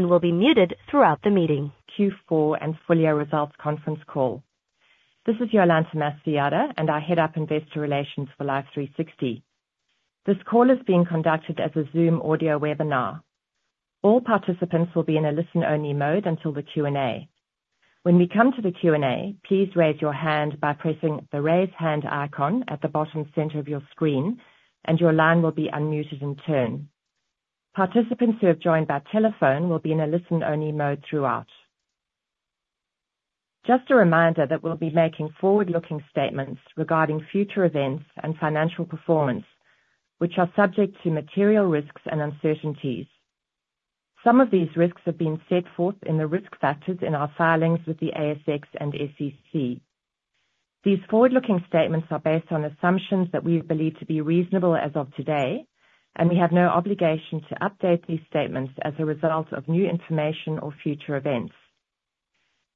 will be muted throughout the meeting. Q4 and full-year results conference call. This is Jolanta Masojada, and I head up investor relations for Life360. This call is being conducted as a Zoom audio webinar. All participants will be in a listen-only mode until the Q&A. When we come to the Q&A, please raise your hand by pressing the Raise Hand icon at the bottom center of your screen, and your line will be unmuted in turn. Participants who have joined by telephone will be in a listen-only mode throughout. Just a reminder that we'll be making forward-looking statements regarding future events and financial performance, which are subject to material risks and uncertainties. Some of these risks have been set forth in the risk factors in our filings with the ASX and SEC. These forward-looking statements are based on assumptions that we believe to be reasonable as of today, and we have no obligation to update these statements as a result of new information or future events.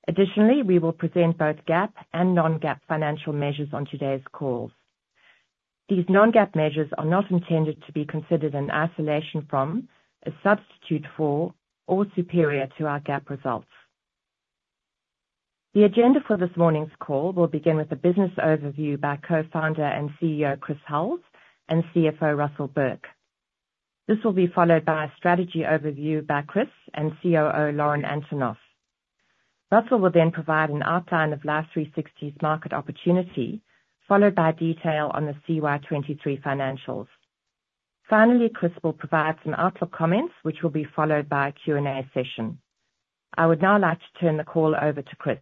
Additionally, we will present both GAAP and non-GAAP financial measures on today's call. These non-GAAP measures are not intended to be considered in isolation from a substitute for, or superior to our GAAP results. The agenda for this morning's call will begin with a business overview by Co-founder and CEO Chris Hulls and CFO Russell Burke. This will be followed by a strategy overview by Chris and COO Lauren Antonoff. Russell will then provide an outline of Life360's market opportunity, followed by detail on the CY 2023 financials. Finally, Chris will provide some outlook comments, which will be followed by a Q&A session. I would now like to turn the call over to Chris.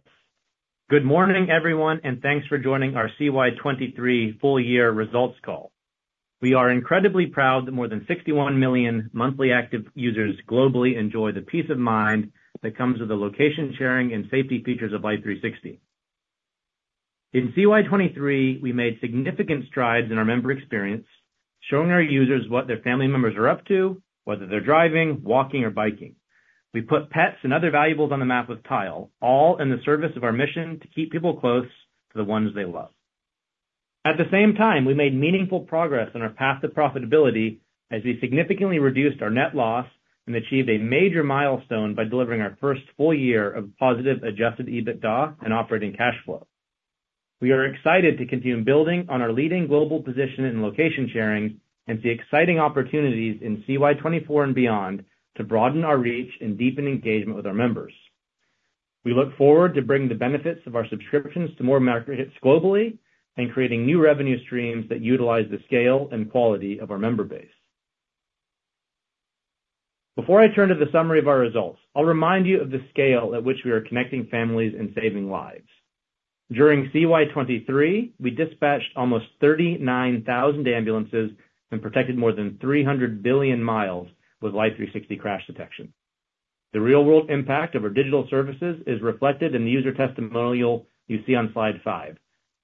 Good morning, everyone, and thanks for joining our CY 2023 full year results call. We are incredibly proud that more than 61 million monthly active users globally enjoy the peace of mind that comes with the location sharing and safety features of Life360. In CY 2023, we made significant strides in our member experience, showing our users what their family members are up to, whether they're driving, walking, or biking. We put pets and other valuables on the map with Tile, all in the service of our mission to keep people close to the ones they love. At the same time, we made meaningful progress on our path to profitability as we significantly reduced our net loss and achieved a major milestone by delivering our first full year of positive Adjusted EBITDA and operating cash flow. We are excited to continue building on our leading global position in location sharing and see exciting opportunities in CY 2024 and beyond to broaden our reach and deepen engagement with our members. We look forward to bringing the benefits of our subscriptions to more markets globally and creating new revenue streams that utilize the scale and quality of our member base. Before I turn to the summary of our results, I'll remind you of the scale at which we are connecting families and saving lives. During CY 2023, we dispatched almost 39,000 ambulances and protected more than 300 billion miles with Life360 Crash Detection. The real-world impact of our digital services is reflected in the user testimonial you see on Slide five,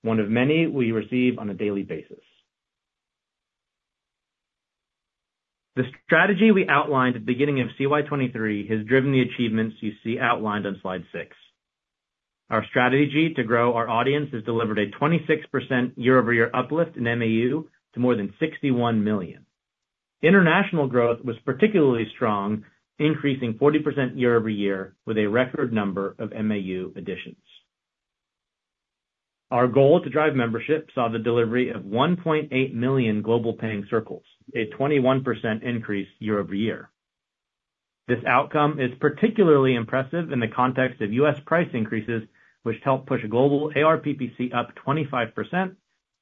one of many we receive on a daily basis. The strategy we outlined at the beginning of CY 2023 has driven the achievements you see outlined on Slide six. Our strategy to grow our audience has delivered a 26% year-over-year uplift in MAU to more than 61 million. International growth was particularly strong, increasing 40% year over year, with a record number of MAU additions. Our goal to drive membership saw the delivery of 1.8 million global paying circles, a 21% increase year over year. This outcome is particularly impressive in the context of U.S. price increases, which helped push global ARPPC up 25%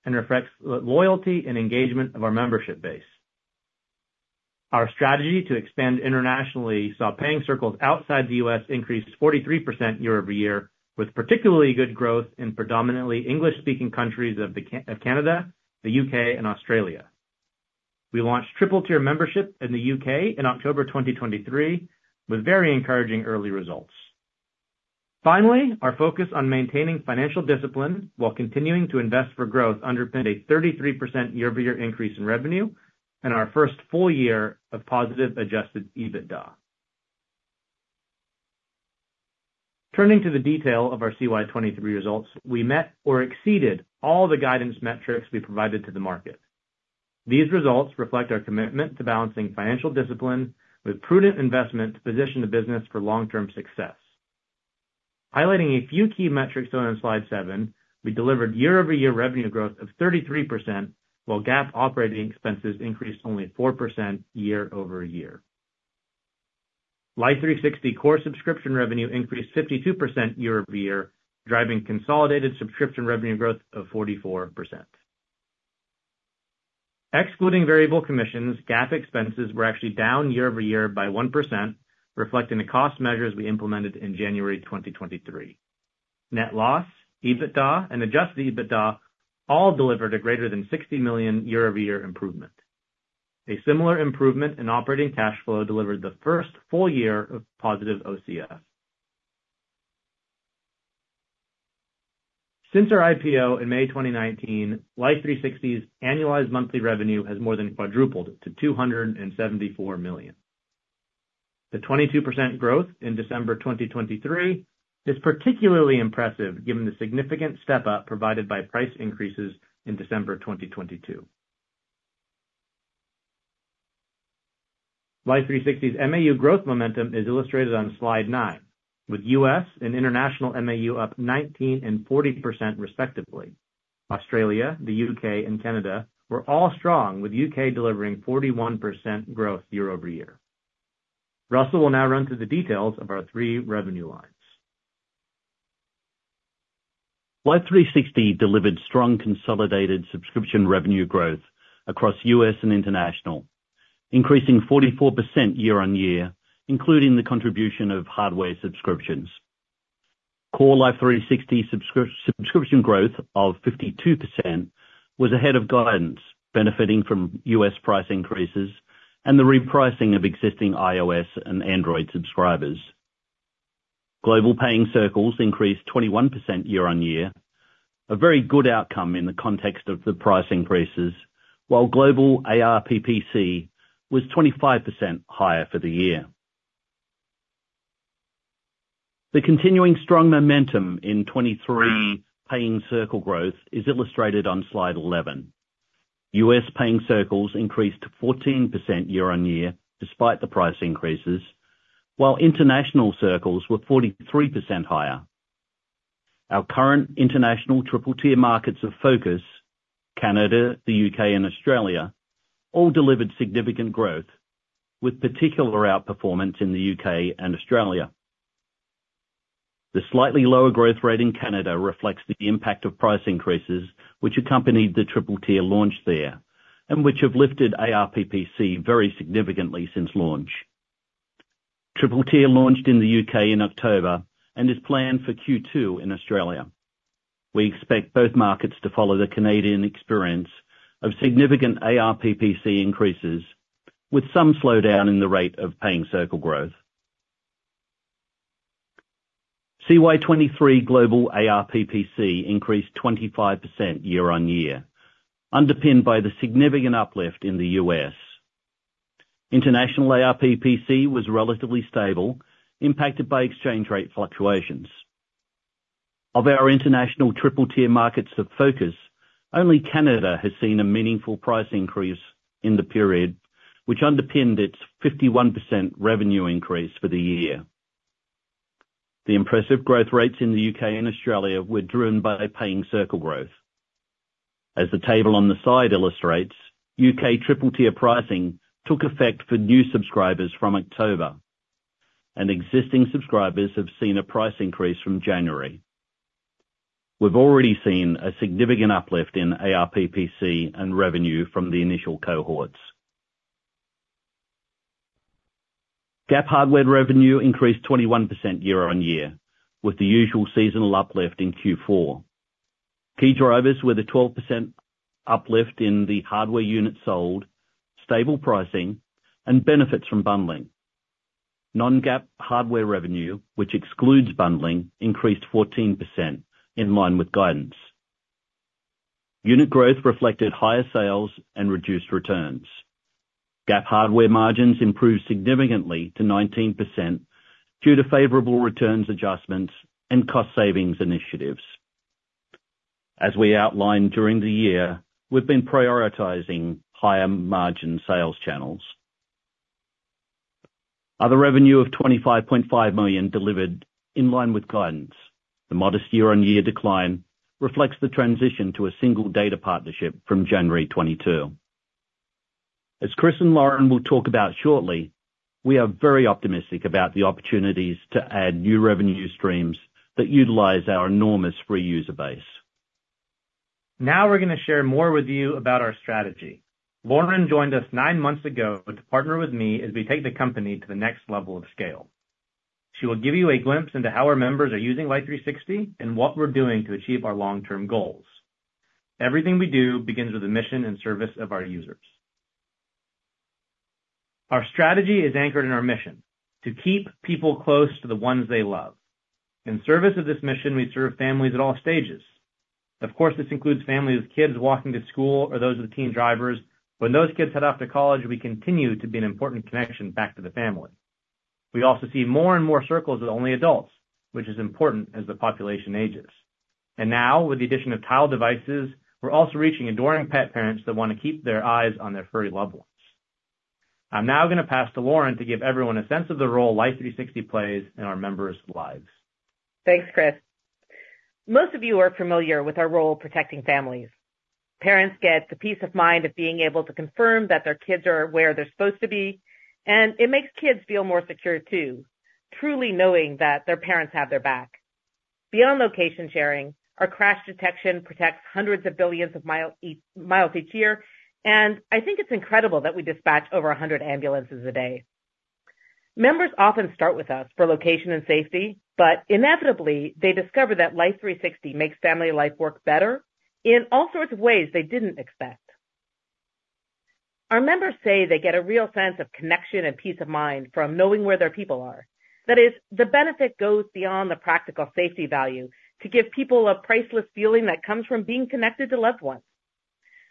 and reflects the loyalty and engagement of our membership base. Our strategy to expand internationally saw paying circles outside the U.S. increase 43% year over year, with particularly good growth in predominantly English-speaking countries of Canada, the U.K., and Australia. We launched Triple Tier membership in the U.K. in October 2023, with very encouraging early results. Finally, our focus on maintaining financial discipline while continuing to invest for growth underpinned a 33% year-over-year increase in revenue and our first full year of positive Adjusted EBITDA. Turning to the detail of our CY 2023 results, we met or exceeded all the guidance metrics we provided to the market. These results reflect our commitment to balancing financial discipline with prudent investment to position the business for long-term success. Highlighting a few key metrics on Slide seven, we delivered year-over-year revenue growth of 33%, while GAAP operating expenses increased only 4% year-over-year. Life360 core subscription revenue increased 52% year-over-year, driving consolidated subscription revenue growth of 44%. Excluding variable commissions, GAAP expenses were actually down year-over-year by 1%, reflecting the cost measures we implemented in January 2023. Net loss, EBITDA, and Adjusted EBITDA all delivered a greater than $60 million year-over-year improvement. A similar improvement in operating cash flow delivered the first full year of positive OCF. Since our IPO in May 2019, Life360's annualized monthly revenue has more than quadrupled to $274 million. The 22% growth in December 2023 is particularly impressive given the significant step-up provided by price increases in December 2022. Life360's MAU growth momentum is illustrated on Slide nine, with U.S. and international MAU up 19% and 40%, respectively. Australia, the U.K., and Canada were all strong, with U.K. delivering 41% growth year-over-year. Russell will now run through the details of our three revenue lines. Life360 delivered strong consolidated subscription revenue growth across U.S. and international, increasing 44% year-on-year, including the contribution of hardware subscriptions. Core Life360 subscription growth of 52% was ahead of guidance, benefiting from U.S. price increases and the repricing of existing iOS and Android subscribers. Global Paying Circles increased 21% year-on-year, a very good outcome in the context of the price increases, while global ARPPC was 25% higher for the year. The continuing strong momentum in 2023 Paying Circle growth is illustrated on Slide 11. U.S. Paying Circles increased 14% year-on-year despite the price increases, while international Circles were 43% higher. Our current international Triple Tier markets of focus, Canada, the U.K., and Australia, all delivered significant growth, with particular outperformance in the U.K. and Australia. The slightly lower growth rate in Canada reflects the impact of price increases, which accompanied the Triple Tier launch there, and which have lifted ARPPC very significantly since launch. Triple Tier launched in the U.K. in October and is planned for Q2 in Australia. We expect both markets to follow the Canadian experience of significant ARPPC increases, with some slowdown in the rate of Paying Circle growth. CY 2023 global ARPPC increased 25% year-on-year, underpinned by the significant uplift in the U.S.. International ARPPC was relatively stable, impacted by exchange rate fluctuations. Of our international Triple Tier markets of focus, only Canada has seen a meaningful price increase in the period, which underpinned its 51% revenue increase for the year. The impressive growth rates in the U.K. and Australia were driven by Paying Circle growth. As the table on the side illustrates, U.K. Triple Tier pricing took effect for new subscribers from October, and existing subscribers have seen a price increase from January. We've already seen a significant uplift in ARPPC and revenue from the initial cohorts. GAAP hardware revenue increased 21% year-over-year, with the usual seasonal uplift in Q4. Key drivers were the 12% uplift in the hardware units sold, stable pricing, and benefits from bundling. Non-GAAP hardware revenue, which excludes bundling, increased 14% in line with guidance. Unit growth reflected higher sales and reduced returns. GAAP hardware margins improved significantly to 19% due to favorable returns adjustments and cost savings initiatives. As we outlined during the year, we've been prioritizing higher margin sales channels. Other revenue of $25.5 million delivered in line with guidance. The modest year-on-year decline reflects the transition to a single data partnership from January 2022. As Chris and Lauren will talk about shortly, we are very optimistic about the opportunities to add new revenue streams that utilize our enormous free user base. Now we're going to share more with you about our strategy. Lauren joined us nine months ago to partner with me as we take the company to the next level of scale. She will give you a glimpse into how our members are using Life360 and what we're doing to achieve our long-term goals. Everything we do begins with the mission and service of our users. Our strategy is anchored in our mission: to keep people close to the ones they love. In service of this mission, we serve families at all stages. Of course, this includes families with kids walking to school or those with teen drivers. When those kids head off to college, we continue to be an important connection back to the family. We also see more and more Circles with only adults, which is important as the population ages. And now, with the addition of Tile devices, we're also reaching adoring pet parents that want to keep their eyes on their furry loved ones. I'm now going to pass to Lauren to give everyone a sense of the role Life360 plays in our members' lives. Thanks, Chris. Most of you are familiar with our role protecting families. Parents get the peace of mind of being able to confirm that their kids are where they're supposed to be, and it makes kids feel more secure, too, truly knowing that their parents have their back. Beyond location sharing, our crash detection protects hundreds of billions of miles each year, and I think it's incredible that we dispatch over 100 ambulances a day. Members often start with us for location and safety, but inevitably, they discover that Life360 makes family life work better in all sorts of ways they didn't expect. Our members say they get a real sense of connection and peace of mind from knowing where their people are. That is, the benefit goes beyond the practical safety value to give people a priceless feeling that comes from being connected to loved ones.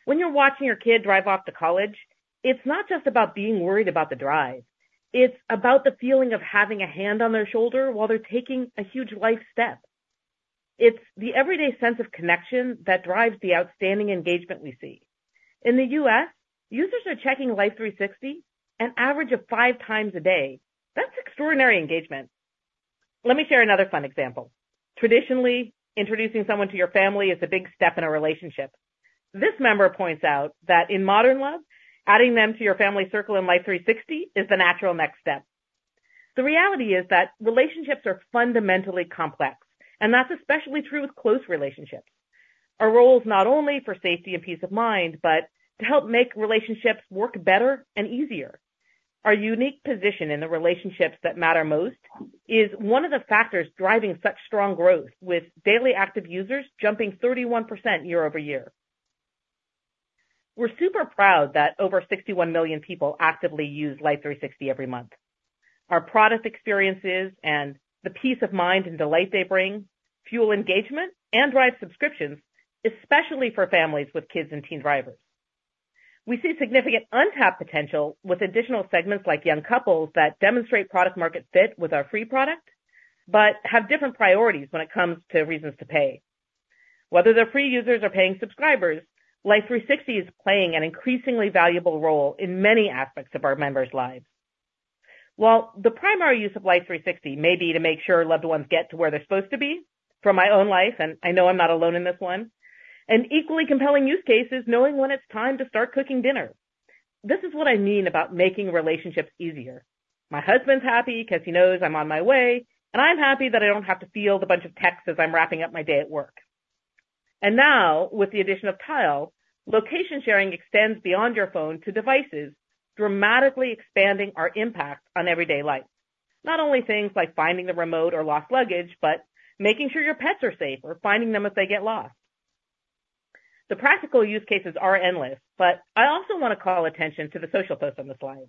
When you're watching your kid drive off to college, it's not just about being worried about the drive. It's about the feeling of having a hand on their shoulder while they're taking a huge life step.... It's the everyday sense of connection that drives the outstanding engagement we see. In the U.S., users are checking Life360 an average of five times a day. That's extraordinary engagement! Let me share another fun example. Traditionally, introducing someone to your family is a big step in a relationship. This member points out that in modern love, adding them to your family circle in Life360 is the natural next step. The reality is that relationships are fundamentally complex, and that's especially true with close relationships. Our role is not only for safety and peace of mind, but to help make relationships work better and easier. Our unique position in the relationships that matter most is one of the factors driving such strong growth, with daily active users jumping 31% year-over-year. We're super proud that over 61 million people actively use Life360 every month. Our product experiences and the peace of mind and delight they bring, fuel engagement and drive subscriptions, especially for families with kids and teen drivers. We see significant untapped potential with additional segments like young couples, that demonstrate product market fit with our free product, but have different priorities when it comes to reasons to pay. Whether they're free users or paying subscribers, Life360 is playing an increasingly valuable role in many aspects of our members' lives. While the primary use of Life360 may be to make sure loved ones get to where they're supposed to be, from my own life, and I know I'm not alone in this one, an equally compelling use case is knowing when it's time to start cooking dinner. This is what I mean about making relationships easier. My husband's happy because he knows I'm on my way, and I'm happy that I don't have to field a bunch of texts as I'm wrapping up my day at work. Now, with the addition of Tile, location sharing extends beyond your phone to devices, dramatically expanding our impact on everyday life. Not only things like finding the remote or lost luggage, but making sure your pets are safe or finding them if they get lost. The practical use cases are endless, but I also want to call attention to the social post on the slide.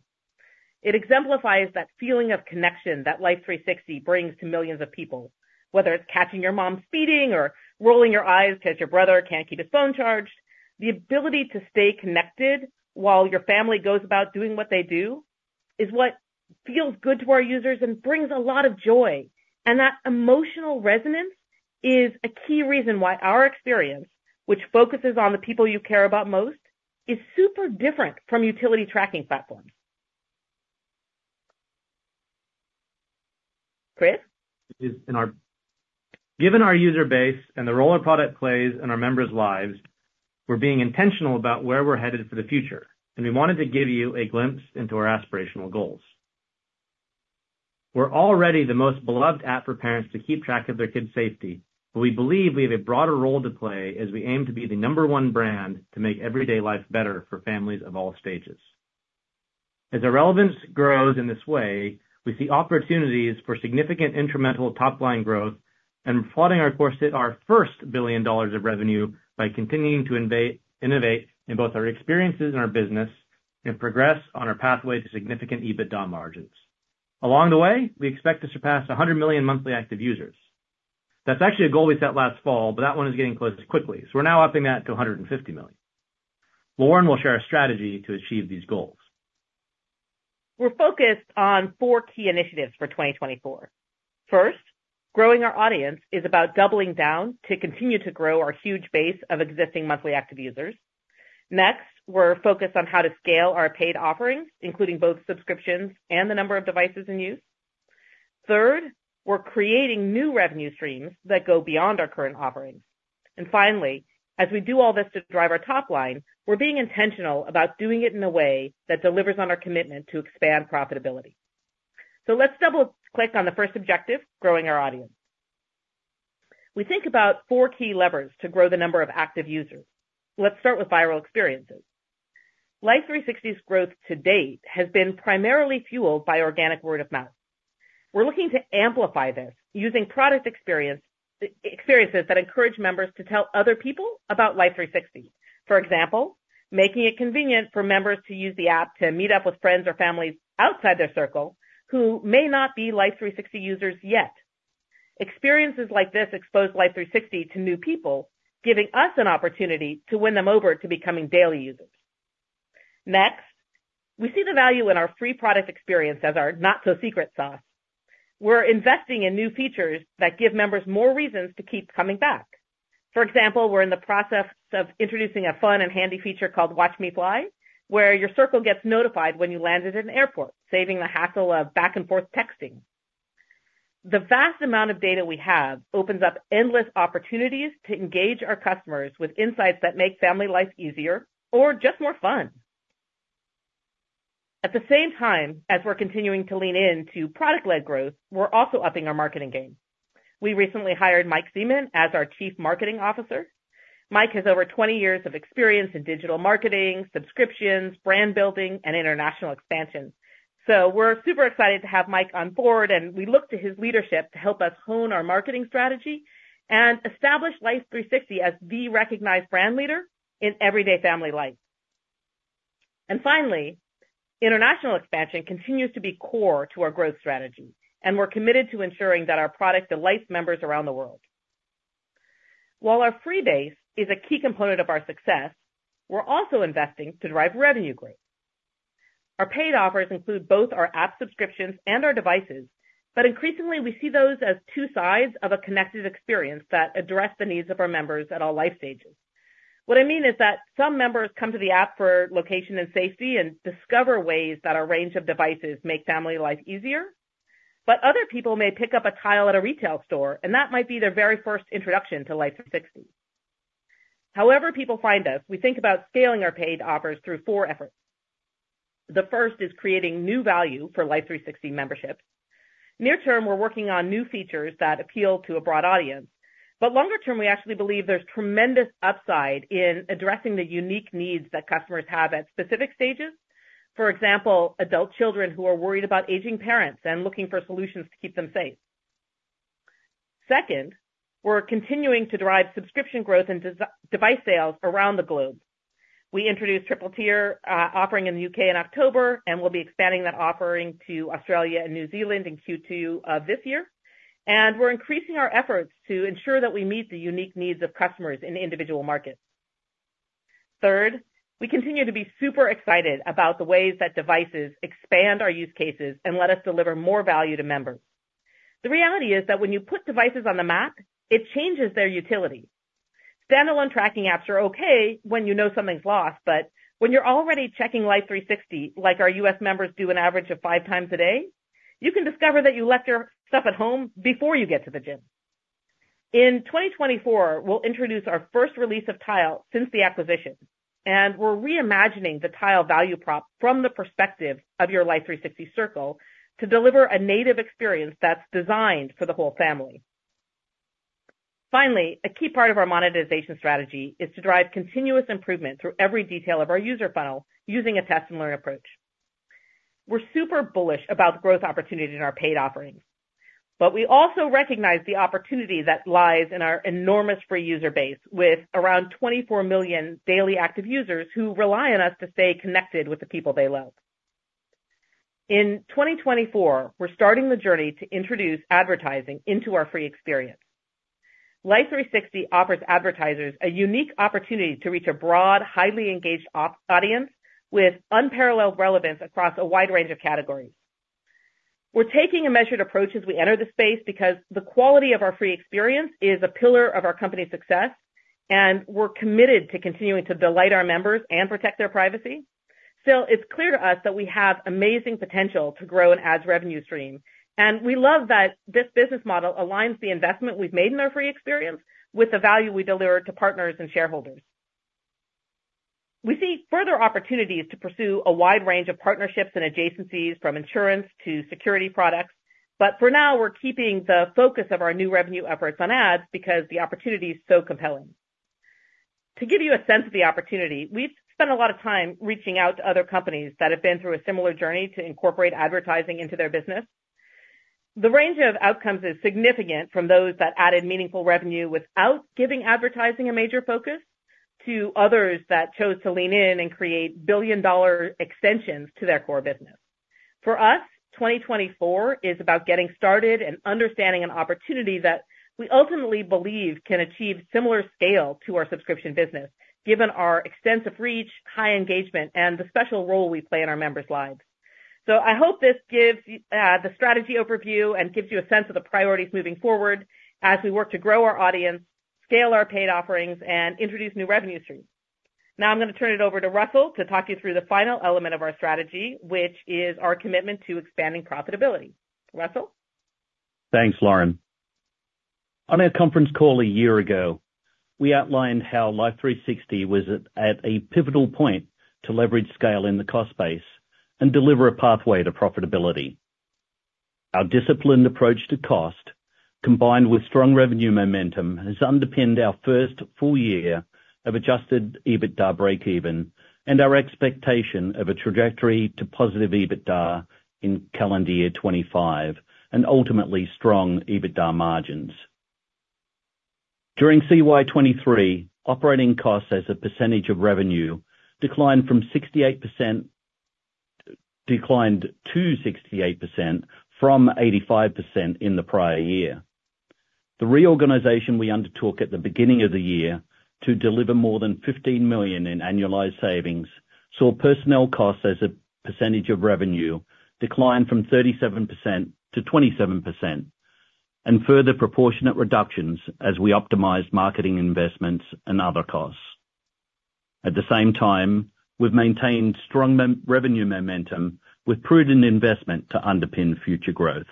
It exemplifies that feeling of connection that Life360 brings to millions of people. Whether it's catching your mom speeding or rolling your eyes because your brother can't keep his phone charged, the ability to stay connected while your family goes about doing what they do, is what feels good to our users and brings a lot of joy. And that emotional resonance is a key reason why our experience, which focuses on the people you care about most, is super different from utility tracking platforms. Chris? Given our user base and the role our product plays in our members' lives, we're being intentional about where we're headed for the future, and we wanted to give you a glimpse into our aspirational goals. We're already the most beloved app for parents to keep track of their kids' safety, but we believe we have a broader role to play as we aim to be the number one brand to make everyday life better for families of all stages. As our relevance grows in this way, we see opportunities for significant incremental top-line growth and plotting our course to our first $1 billion of revenue by continuing to innovate in both our experiences and our business, and progress on our pathway to significant EBITDA margins. Along the way, we expect to surpass 100 million monthly active users. That's actually a goal we set last fall, but that one is getting closer quickly, so we're now upping that to 150 million. Lauren will share our strategy to achieve these goals. We're focused on four key initiatives for 2024. First, growing our audience is about doubling down to continue to grow our huge base of existing monthly active users. Next, we're focused on how to scale our paid offerings, including both subscriptions and the number of devices in use. Third, we're creating new revenue streams that go beyond our current offerings. And finally, as we do all this to drive our top line, we're being intentional about doing it in a way that delivers on our commitment to expand profitability. So let's double click on the first objective, growing our audience. We think about four key levers to grow the number of active users. Let's start with viral experiences. Life360's growth to date has been primarily fueled by organic word of mouth. We're looking to amplify this using product experience, experiences that encourage members to tell other people about Life360. For example, making it convenient for members to use the app to meet up with friends or family outside their circle who may not be Life360 users yet. Experiences like this expose Life360 to new people, giving us an opportunity to win them over to becoming daily users. Next, we see the value in our free product experience as our not-so-secret sauce. We're investing in new features that give members more reasons to keep coming back. For example, we're in the process of introducing a fun and handy feature called Watch Me Fly, where your circle gets notified when you landed in an airport, saving the hassle of back and forth texting. The vast amount of data we have opens up endless opportunities to engage our customers with insights that make family life easier or just more fun. At the same time, as we're continuing to lean into product-led growth, we're also upping our marketing game. We recently hired Mike Zeman as our Chief Marketing Officer. Mike has over 20 years of experience in digital marketing, subscriptions, brand building, and international expansion. So we're super excited to have Mike on board, and we look to his leadership to help us hone our marketing strategy and establish Life360 as the recognized brand leader in everyday family life. Finally, international expansion continues to be core to our growth strategy, and we're committed to ensuring that our product delights members around the world. While our free base is a key component of our success, we're also investing to drive revenue growth. Our paid offers include both our app subscriptions and our devices, but increasingly, we see those as two sides of a connected experience that address the needs of our members at all life stages. What I mean is that some members come to the app for location and safety, and discover ways that our range of devices make family life easier. But other people may pick up a Tile at a retail store, and that might be their very first introduction to Life360. However people find us, we think about scaling our paid offers through four efforts. The first is creating new value for Life360 membership. Near term, we're working on new features that appeal to a broad audience, but longer term, we actually believe there's tremendous upside in addressing the unique needs that customers have at specific stages. For example, adult children who are worried about aging parents and looking for solutions to keep them safe. Second, we're continuing to drive subscription growth and device sales around the globe. We introduced Triple Tier offering in the U.K. in October, and we'll be expanding that offering to Australia and New Zealand in Q2 of this year. And we're increasing our efforts to ensure that we meet the unique needs of customers in individual markets. Third, we continue to be super excited about the ways that devices expand our use cases and let us deliver more value to members. The reality is that when you put devices on the map, it changes their utility. Standalone tracking apps are okay when you know something's lost, but when you're already checking Life360, like our U.S. members do an average of five times a day, you can discover that you left your stuff at home before you get to the gym. In 2024, we'll introduce our first release of Tile since the acquisition, and we're reimagining the Tile value prop from the perspective of your Life360 circle to deliver a native experience that's designed for the whole family. Finally, a key part of our monetization strategy is to drive continuous improvement through every detail of our user funnel using a test and learn approach. We're super bullish about the growth opportunity in our paid offerings, but we also recognize the opportunity that lies in our enormous free user base, with around 24 million daily active users who rely on us to stay connected with the people they love. In 2024, we're starting the journey to introduce advertising into our free experience. Life360 offers advertisers a unique opportunity to reach a broad, highly engaged audience with unparalleled relevance across a wide range of categories. We're taking a measured approach as we enter the space because the quality of our free experience is a pillar of our company's success, and we're committed to continuing to delight our members and protect their privacy. Still, it's clear to us that we have amazing potential to grow an ads revenue stream, and we love that this business model aligns the investment we've made in our free experience with the value we deliver to partners and shareholders. We see further opportunities to pursue a wide range of partnerships and adjacencies, from insurance to security products, but for now, we're keeping the focus of our new revenue efforts on ads because the opportunity is so compelling. To give you a sense of the opportunity, we've spent a lot of time reaching out to other companies that have been through a similar journey to incorporate advertising into their business. The range of outcomes is significant, from those that added meaningful revenue without giving advertising a major focus, to others that chose to lean in and create billion-dollar extensions to their core business. For us, 2024 is about getting started and understanding an opportunity that we ultimately believe can achieve similar scale to our subscription business, given our extensive reach, high engagement, and the special role we play in our members' lives. So I hope this gives the strategy overview and gives you a sense of the priorities moving forward as we work to grow our audience, scale our paid offerings, and introduce new revenue streams. Now I'm going to turn it over to Russell to talk you through the final element of our strategy, which is our commitment to expanding profitability. Russell? Thanks, Lauren. On our conference call a year ago, we outlined how Life360 was at a pivotal point to leverage scale in the cost base and deliver a pathway to profitability. Our disciplined approach to cost, combined with strong revenue momentum, has underpinned our first full year of Adjusted EBITDA breakeven and our expectation of a trajectory to positive EBITDA in calendar year 2025, and ultimately, strong EBITDA margins. During CY 2023, operating costs as a percentage of revenue declined to 68% from 85% in the prior year. The reorganization we undertook at the beginning of the year to deliver more than $15 million in annualized savings, saw personnel costs as a percentage of revenue decline from 37%-27%, and further proportionate reductions as we optimized marketing investments and other costs. At the same time, we've maintained strong revenue momentum with prudent investment to underpin future growth.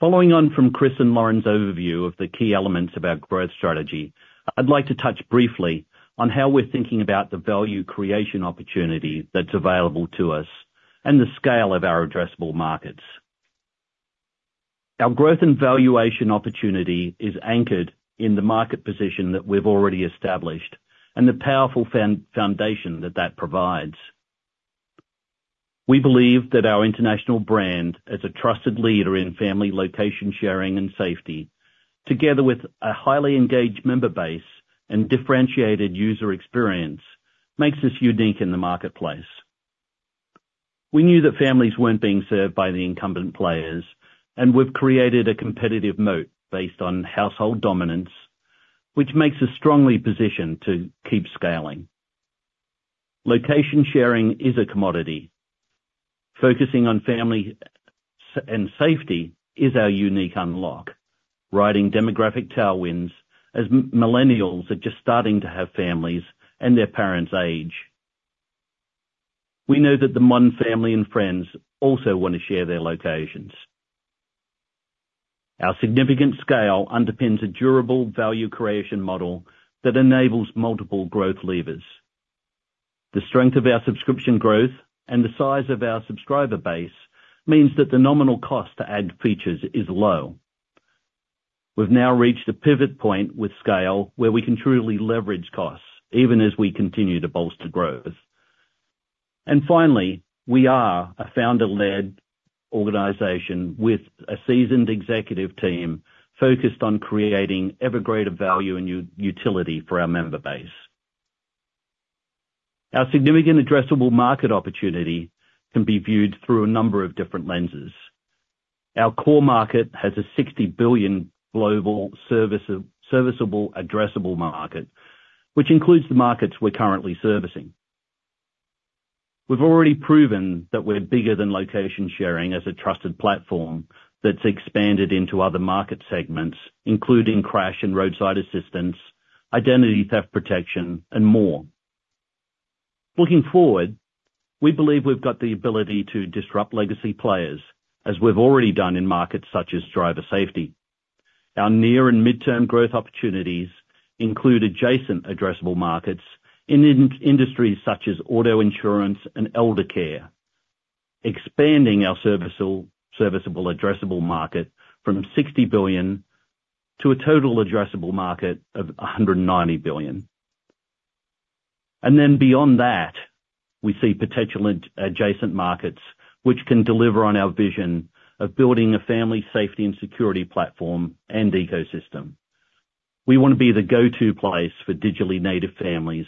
Following on from Chris and Lauren's overview of the key elements of our growth strategy, I'd like to touch briefly on how we're thinking about the value creation opportunity that's available to us and the scale of our addressable markets. Our growth and valuation opportunity is anchored in the market position that we've already established and the powerful foundation that that provides. We believe that our international brand, as a trusted leader in family location, sharing, and safety, together with a highly engaged member base and differentiated user experience, makes us unique in the marketplace.... We knew that families weren't being served by the incumbent players, and we've created a competitive moat based on household dominance, which makes us strongly positioned to keep scaling. Location sharing is a commodity. Focusing on family and safety is our unique unlock, riding demographic tailwinds as millennials are just starting to have families and their parents age. We know that the non-family and friends also want to share their locations. Our significant scale underpins a durable value creation model that enables multiple growth levers. The strength of our subscription growth and the size of our subscriber base means that the nominal cost to add features is low. We've now reached a pivot point with scale, where we can truly leverage costs even as we continue to bolster growth. And finally, we are a founder-led organization with a seasoned executive team focused on creating ever greater value and utility for our member base. Our significant addressable market opportunity can be viewed through a number of different lenses. Our core market has a $60 billion global serviceable addressable market, which includes the markets we're currently servicing. We've already proven that we're bigger than location sharing as a trusted platform that's expanded into other market segments, including crash and roadside assistance, identity theft protection, and more. Looking forward, we believe we've got the ability to disrupt legacy players, as we've already done in markets such as driver safety. Our near and midterm growth opportunities include adjacent addressable markets in industries such as auto insurance and eldercare, expanding our serviceable addressable market from $60 billion to a total addressable market of $190 billion. And then beyond that, we see potential adjacent markets, which can deliver on our vision of building a family safety and security platform and ecosystem. We want to be the go-to place for digitally native families,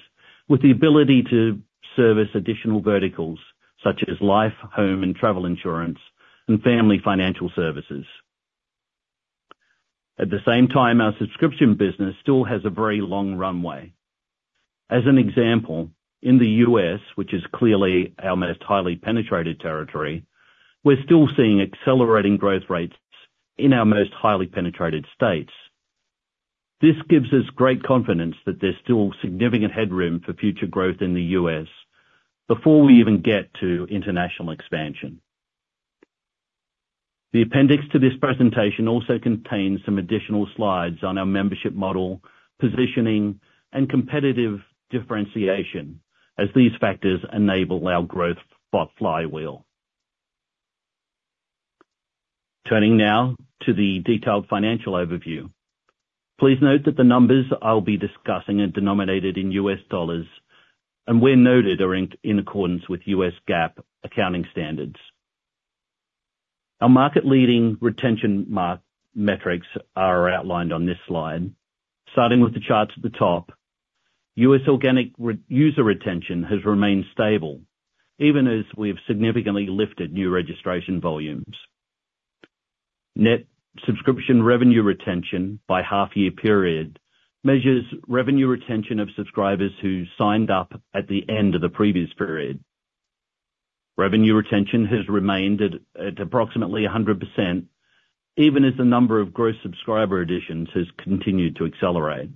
with the ability to service additional verticals such as life, home and travel insurance, and family financial services. At the same time, our subscription business still has a very long runway. As an example, in the U.S., which is clearly our most highly penetrated territory, we're still seeing accelerating growth rates in our most highly penetrated states. This gives us great confidence that there's still significant headroom for future growth in the U.S. before we even get to international expansion. The appendix to this presentation also contains some additional slides on our membership model, positioning, and competitive differentiation, as these factors enable our growth spot flywheel. Turning now to the detailed financial overview. Please note that the numbers I'll be discussing are denominated in U.S. dollars, and where noted, are in accordance with U.S. GAAP accounting standards. Our market-leading retention metrics are outlined on this slide. Starting with the charts at the top, U.S. organic user retention has remained stable, even as we've significantly lifted new registration volumes. Net subscription revenue retention by half year period measures revenue retention of subscribers who signed up at the end of the previous period. Revenue retention has remained at approximately 100%, even as the number of gross subscriber additions has continued to accelerate.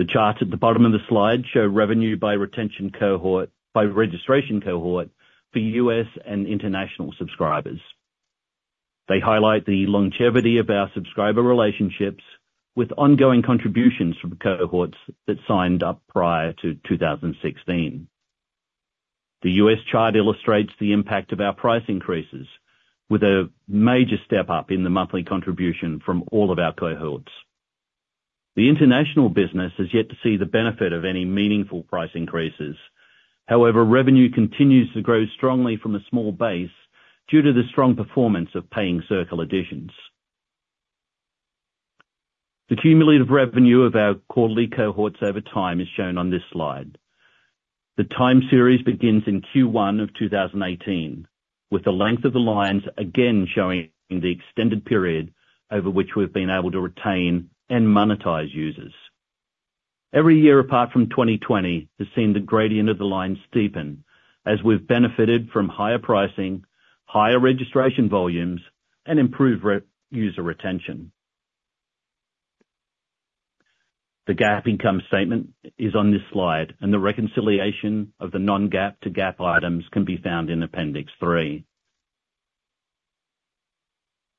The charts at the bottom of the slide show revenue by retention cohort by registration cohort for U.S. and international subscribers. They highlight the longevity of our subscriber relationships with ongoing contributions from cohorts that signed up prior to 2016. The U.S. chart illustrates the impact of our price increases, with a major step up in the monthly contribution from all of our cohorts. The international business is yet to see the benefit of any meaningful price increases. However, revenue continues to grow strongly from a small base due to the strong performance of Paying Circles additions. The cumulative revenue of our quarterly cohorts over time is shown on this slide. The time series begins in Q1 of 2018, with the length of the lines again showing the extended period over which we've been able to retain and monetize users. Every year, apart from 2020, has seen the gradient of the line steepen as we've benefited from higher pricing, higher registration volumes, and improved re-user retention. The GAAP income statement is on this slide, and the reconciliation of the non-GAAP to GAAP items can be found in Appendix 3.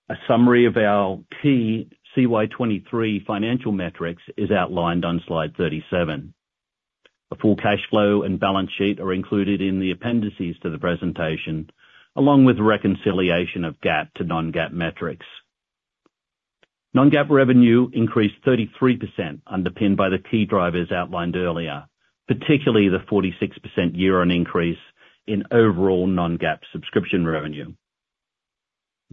A summary of our key CY 2023 financial metrics is outlined on Slide 37. A full cash flow and balance sheet are included in the appendices to the presentation, along with reconciliation of GAAP to non-GAAP metrics. Non-GAAP revenue increased 33%, underpinned by the key drivers outlined earlier, particularly the 46% year-on-year increase in overall non-GAAP subscription revenue.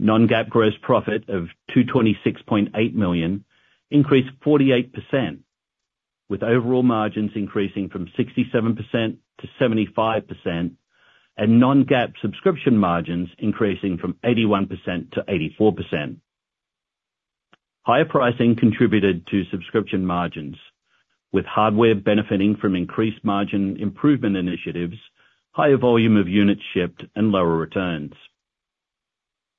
Non-GAAP gross profit of $226.8 million increased 48%, with overall margins increasing from 67%-75%, and non-GAAP subscription margins increasing from 81%-84%. Higher pricing contributed to subscription margins, with hardware benefiting from increased margin improvement initiatives, higher volume of units shipped, and lower returns.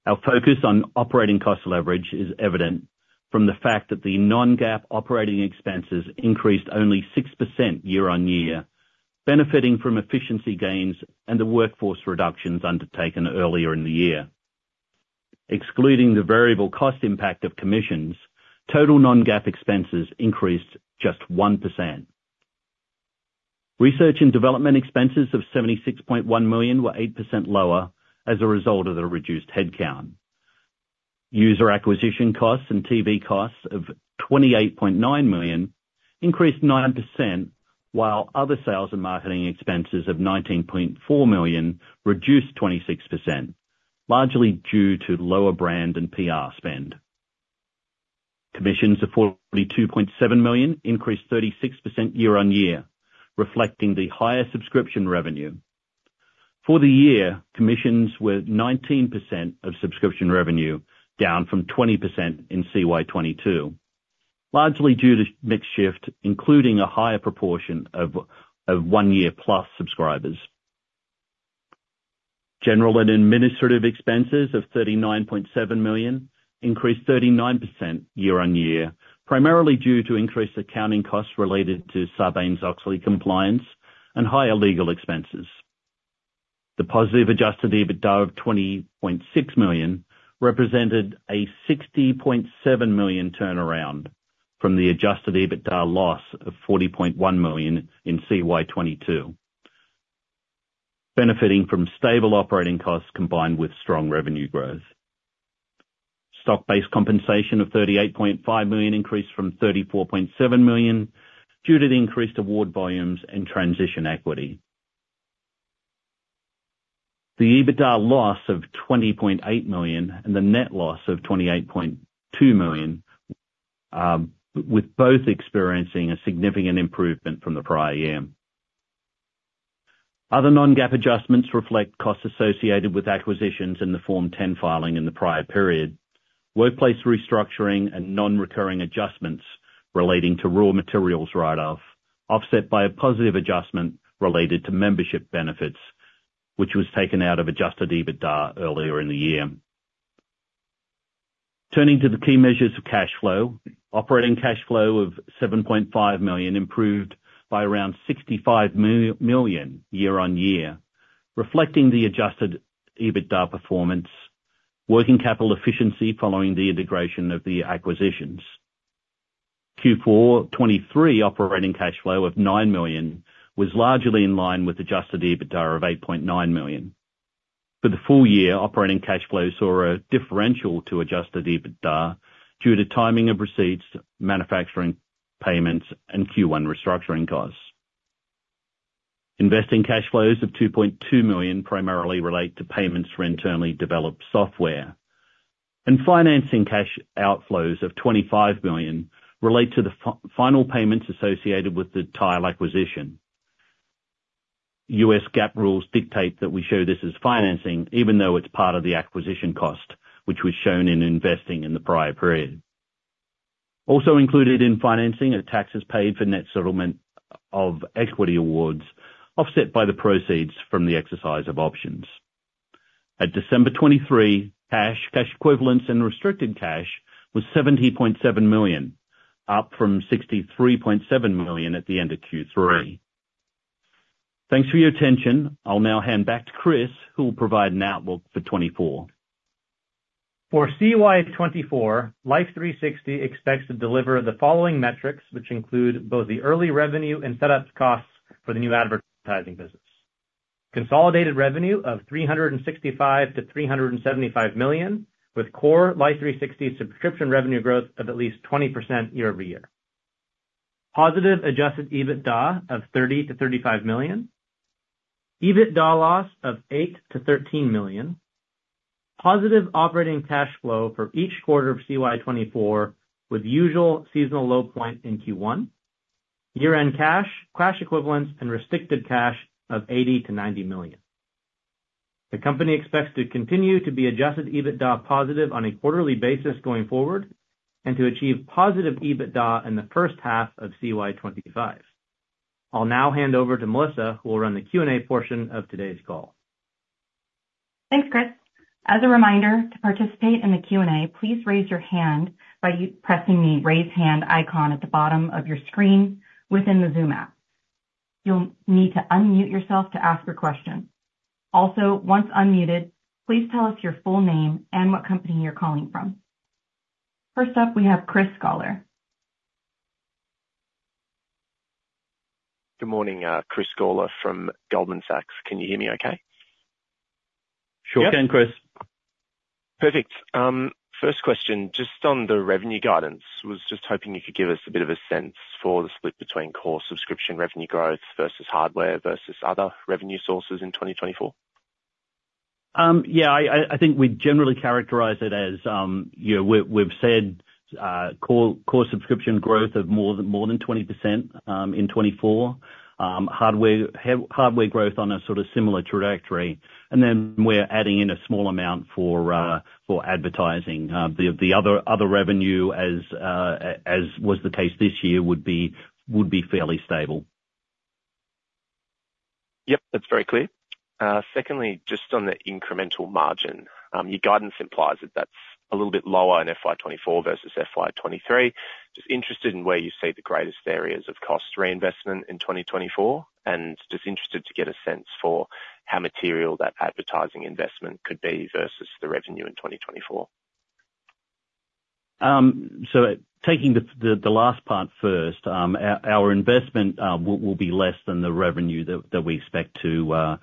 Our focus on operating cost leverage is evident from the fact that the non-GAAP operating expenses increased only 6% year-on-year, benefiting from efficiency gains and the workforce reductions undertaken earlier in the year. Excluding the variable cost impact of commissions, total non-GAAP expenses increased just 1%. Research and development expenses of $76.1 million were 8% lower as a result of the reduced headcount. User acquisition costs and TV costs of $28.9 million increased 9%, while other sales and marketing expenses of $19.4 million reduced 26%, largely due to lower brand and PR spend. Commissions of $42.7 million increased 36% year-on-year, reflecting the higher subscription revenue. For the year, commissions were 19% of subscription revenue, down from 20% in CY 2022, largely due to mix shift, including a higher proportion of one-year-plus subscribers. General and administrative expenses of $39.7 million increased 39% year-on-year, primarily due to increased accounting costs related to Sarbanes-Oxley compliance and higher legal expenses. The positive Adjusted EBITDA of $20.6 million represented a $60.7 million turnaround from the Adjusted EBITDA loss of $40.1 million in CY 2022, benefiting from stable operating costs combined with strong revenue growth. Stock-based compensation of $38.5 million increased from $34.7 million due to the increased award volumes and transition equity. The EBITDA loss of $20.8 million and the net loss of $28.2 million, with both experiencing a significant improvement from the prior year. Other non-GAAP adjustments reflect costs associated with acquisitions in the Form 10 filing in the prior period, workplace restructuring and non-recurring adjustments relating to raw materials write-off, offset by a positive adjustment related to membership benefits, which was taken out of Adjusted EBITDA earlier in the year. Turning to the key measures of cash flow. Operating cash flow of $7.5 million improved by around $65 million year-on-year, reflecting the Adjusted EBITDA performance, working capital efficiency following the integration of the acquisitions. Q4 2023 operating cash flow of $9 million was largely in line with Adjusted EBITDA of $8.9 million. For the full year, operating cash flows saw a differential to Adjusted EBITDA due to timing of receipts, manufacturing payments and Q1 restructuring costs. Investing cash flows of $2.2 million primarily relate to payments for internally developed software, and financing cash outflows of $25 million relate to the final payments associated with the Tile acquisition. U.S. GAAP rules dictate that we show this as financing, even though it's part of the acquisition cost, which was shown in investing in the prior period. Also included in financing are taxes paid for net settlement of equity awards, offset by the proceeds from the exercise of options. At December 2023, cash, cash equivalents, and restricted cash was $70.7 million, up from $63.7 million at the end of Q3. Thanks for your attention. I'll now hand back to Chris, who will provide an outlook for 2024. For CY 2024, Life360 expects to deliver the following metrics, which include both the early revenue and setup costs for the new advertising business. Consolidated revenue of $365 million-$375 million, with core Life360 subscription revenue growth of at least 20% year-over-year. Positive Adjusted EBITDA of $30 million-$35 million, EBITDA loss of $8 million-$13 million, positive operating cash flow for each quarter of CY 2024, with usual seasonal low point in Q1, year-end cash, cash equivalents, and restricted cash of $80 million-$90 million. The company expects to continue to be Adjusted EBITDA positive on a quarterly basis going forward, and to achieve positive EBITDA in the first half of CY 2025. I'll now hand over to Melissa, who will run the Q&A portion of today's call. Thanks, Chris. As a reminder, to participate in the Q&A, please raise your hand by pressing the Raise Hand icon at the bottom of your screen within the Zoom app. You'll need to unmute yourself to ask your question. Also, once unmuted, please tell us your full name and what company you're calling from. First up, we have Chris Schaller. Good morning, Chris Schaller from Goldman Sachs. Can you hear me okay? Sure can, Chris. Perfect. First question, just on the revenue guidance, was just hoping you could give us a bit of a sense for the split between core subscription revenue growth versus hardware versus other revenue sources in 2024?... Yeah, I think we generally characterize it as, you know, we've said core subscription growth of more than 20%, in 2024. Hardware growth on a sort of similar trajectory, and then we're adding in a small amount for advertising. The other revenue as was the case this year, would be fairly stable. Yep, that's very clear. Secondly, just on the incremental margin, your guidance implies that that's a little bit lower in FY 2024 versus FY 2023. Just interested in where you see the greatest areas of cost reinvestment in 2024, and just interested to get a sense for how material that advertising investment could be versus the revenue in 2024. So taking the last part first, our investment will be less than the revenue that we expect to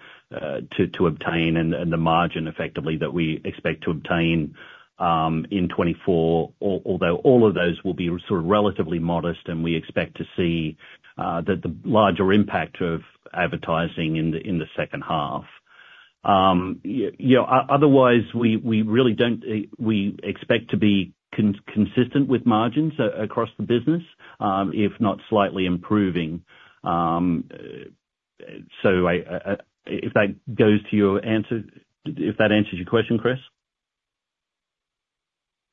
obtain and the margin effectively that we expect to obtain in 2024. Although all of those will be sort of relatively modest, and we expect to see the larger impact of advertising in the second half. You know, otherwise, we really don't -- we expect to be consistent with margins across the business, if not slightly improving. So if that goes to your answer... If that answers your question, Chris?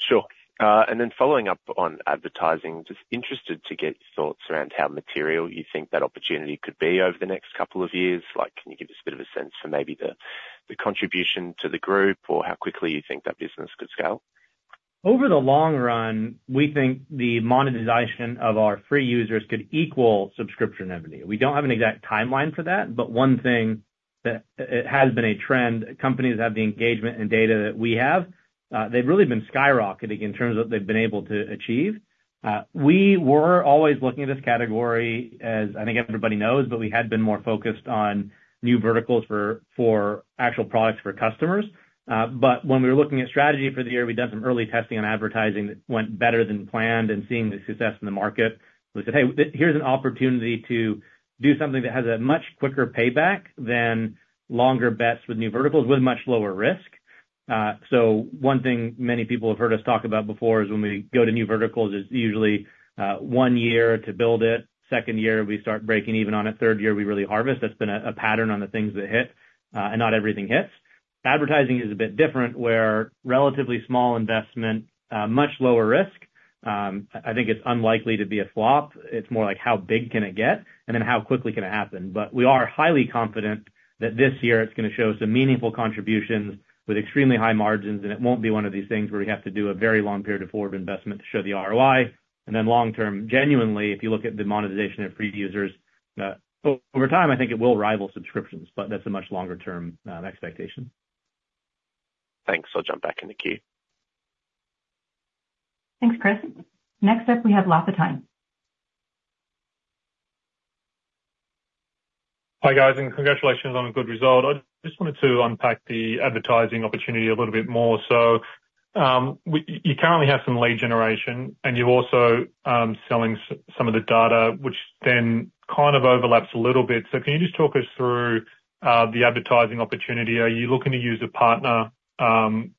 Sure. And then following up on advertising, just interested to get your thoughts around how material you think that opportunity could be over the next couple of years. Like, can you give us a bit of a sense for maybe the contribution to the group or how quickly you think that business could scale? Over the long run, we think the monetization of our free users could equal subscription revenue. We don't have an exact timeline for that, but one thing that has been a trend, companies that have the engagement and data that we have, they've really been skyrocketing in terms of what they've been able to achieve. We were always looking at this category, as I think everybody knows, but we had been more focused on new verticals for actual products for customers. But when we were looking at strategy for the year, we'd done some early testing on advertising that went better than planned and seeing the success in the market, we said, "Hey, here's an opportunity to do something that has a much quicker payback than longer bets with new verticals, with much lower risk." So one thing many people have heard us talk about before is when we go to new verticals, it's usually one year to build it, second year we start breaking even on it, third year we really harvest. That's been a pattern on the things that hit, and not everything hits. Advertising is a bit different, where relatively small investment, much lower risk. I think it's unlikely to be a flop. It's more like, how big can it get? And then, how quickly can it happen? But we are highly confident that this year it's gonna show some meaningful contributions with extremely high margins, and it won't be one of these things where we have to do a very long period of forward investment to show the ROI. And then long-term, genuinely, if you look at the monetization of free users, over time, I think it will rival subscriptions, but that's a much longer-term expectation. Thanks. I'll jump back in the queue. Thanks, Chris. Next up, we have Lafitani. Hi, guys, and congratulations on a good result. I just wanted to unpack the advertising opportunity a little bit more. So, you currently have some lead generation, and you're also selling some of the data, which then kind of overlaps a little bit. So can you just talk us through the advertising opportunity? Are you looking to use a partner?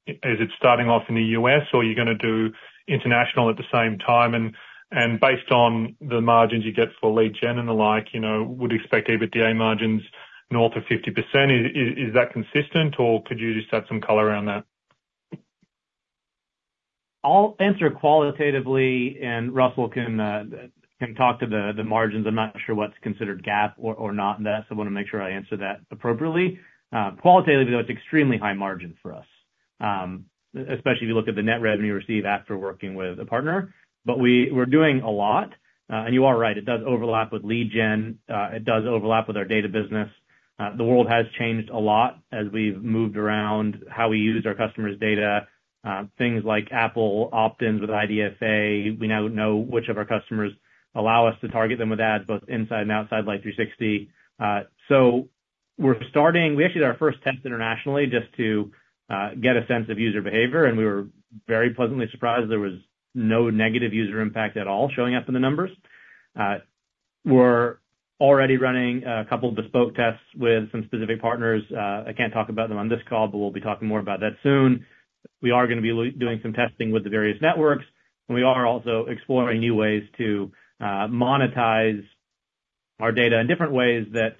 Is it starting off in the U.S., or are you gonna do international at the same time? And based on the margins you get for lead gen and the like, you know, would expect EBITDA margins north of 50%. Is that consistent, or could you just add some color around that? I'll answer qualitatively, and Russell can talk to the margins. I'm not sure what's considered GAAP or not in that, so I wanna make sure I answer that appropriately. Qualitatively, though, it's extremely high margin for us, especially if you look at the net revenue we receive after working with a partner. But we're doing a lot, and you are right, it does overlap with lead gen, it does overlap with our data business. The world has changed a lot as we've moved around how we use our customers' data. Things like Apple, opt-ins with IDFA. We now know which of our customers allow us to target them with ads, both inside and outside Life360. So we're starting... We actually did our first test internationally, just to get a sense of user behavior, and we were very pleasantly surprised. There was no negative user impact at all showing up in the numbers. We're already running a couple of bespoke tests with some specific partners. I can't talk about them on this call, but we'll be talking more about that soon. We are gonna be doing some testing with the various networks, and we are also exploring new ways to monetize our data in different ways that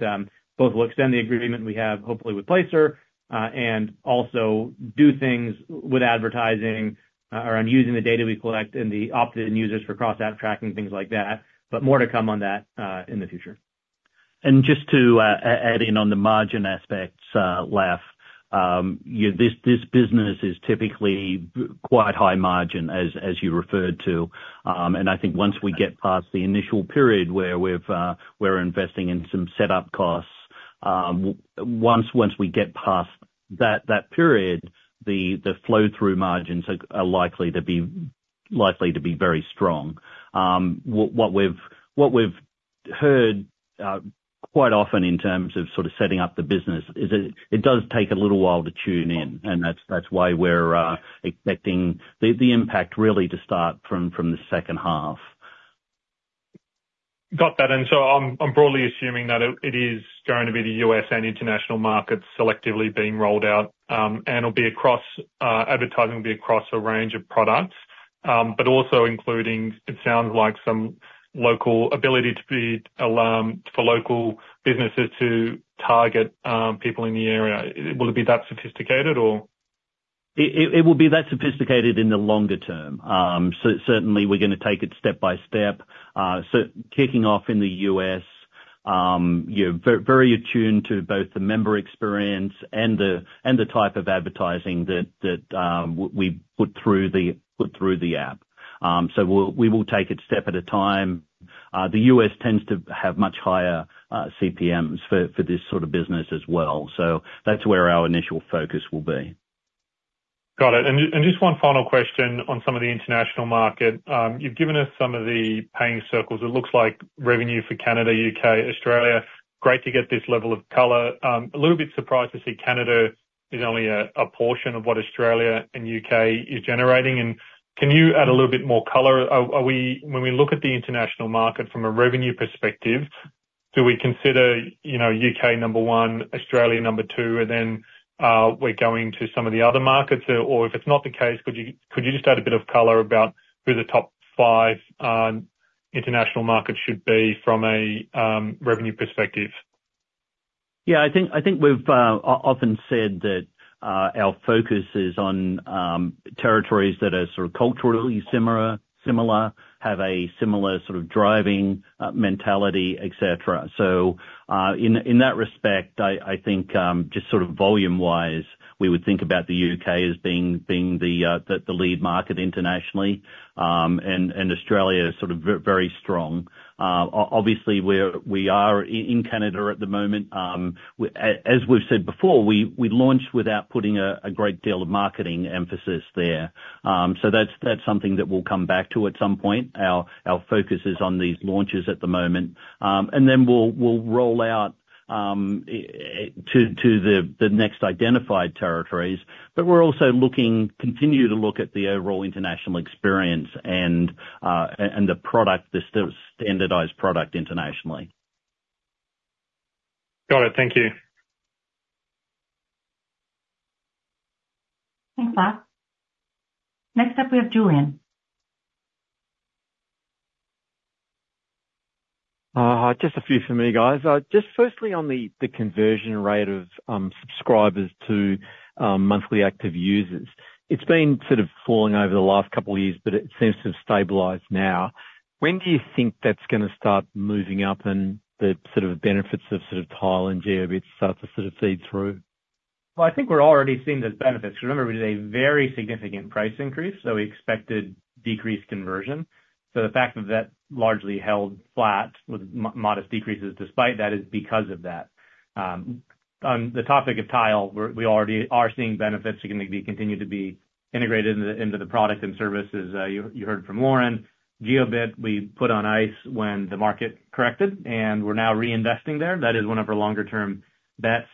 both will extend the agreement we have, hopefully with Placer, and also do things with advertising around using the data we collect and the opt-in users for cross-app tracking, things like that, but more to come on that in the future. And just to add in on the margin aspects, Laf, you know, this business is typically quite high margin, as you referred to. And I think once we get past the initial period where we're investing in some setup costs, once we get past that period, the flow-through margins are likely to be very strong. What we've heard quite often in terms of sort of setting up the business is that it does take a little while to tune in, and that's why we're expecting the impact really to start from the second half. Got that, and so I'm broadly assuming that it is going to be the U.S. and international markets selectively being rolled out, and will be across, advertising will be across a range of products, but also including, it sounds like some local ability to be, for local businesses to target, people in the area. Will it be that sophisticated or? It will be that sophisticated in the longer term. So certainly we're gonna take it step by step. So kicking off in the U.S., you're very attuned to both the member experience and the type of advertising that we put through the app. So we will take it step at a time. The U.S. tends to have much higher CPMs for this sort of business as well, so that's where our initial focus will be. Got it. And just one final question on some of the international market. You've given us some of the Paying Circles. It looks like revenue for Canada, U.K., Australia. Great to get this level of color. A little bit surprised to see Canada is only a portion of what Australia and U.K. is generating. And can you add a little bit more color? Are we, when we look at the international market from a revenue perspective, do we consider, you know, U.K. number one, Australia number two, and then we're going to some of the other markets? Or if it's not the case, could you just add a bit of color about who the top five international markets should be from a revenue perspective? Yeah, I think we've often said that our focus is on territories that are sort of culturally similar, have a similar sort of driving mentality, et cetera. So, in that respect, I think, just sort of volume-wise, we would think about the U.K. as being the lead market internationally. And Australia is sort of very strong. Obviously, we're in Canada at the moment. As we've said before, we launched without putting a great deal of marketing emphasis there. So that's something that we'll come back to at some point. Our focus is on these launches at the moment. And then we'll roll out to the next identified territories. But we're also looking to continue to look at the overall international experience and the product, the standardized product internationally. Got it. Thank you. Thanks, Mark. Next up, we have Julian. Just a few for me, guys. Just firstly on the conversion rate of subscribers to monthly active users, it's been sort of falling over the last couple of years, but it seems to have stabilized now. When do you think that's gonna start moving up and the sort of benefits of sort of Tile and Jiobit start to sort of feed through? Well, I think we're already seeing those benefits. Remember, it was a very significant price increase, so we expected decreased conversion. So the fact that that largely held flat with modest decreases despite that is because of that. On the topic of Tile, we're already seeing benefits are gonna be continue to be integrated into the product and services. You heard from Lauren. Jiobit, we put on ice when the market corrected, and we're now reinvesting there. That is one of our longer term bets.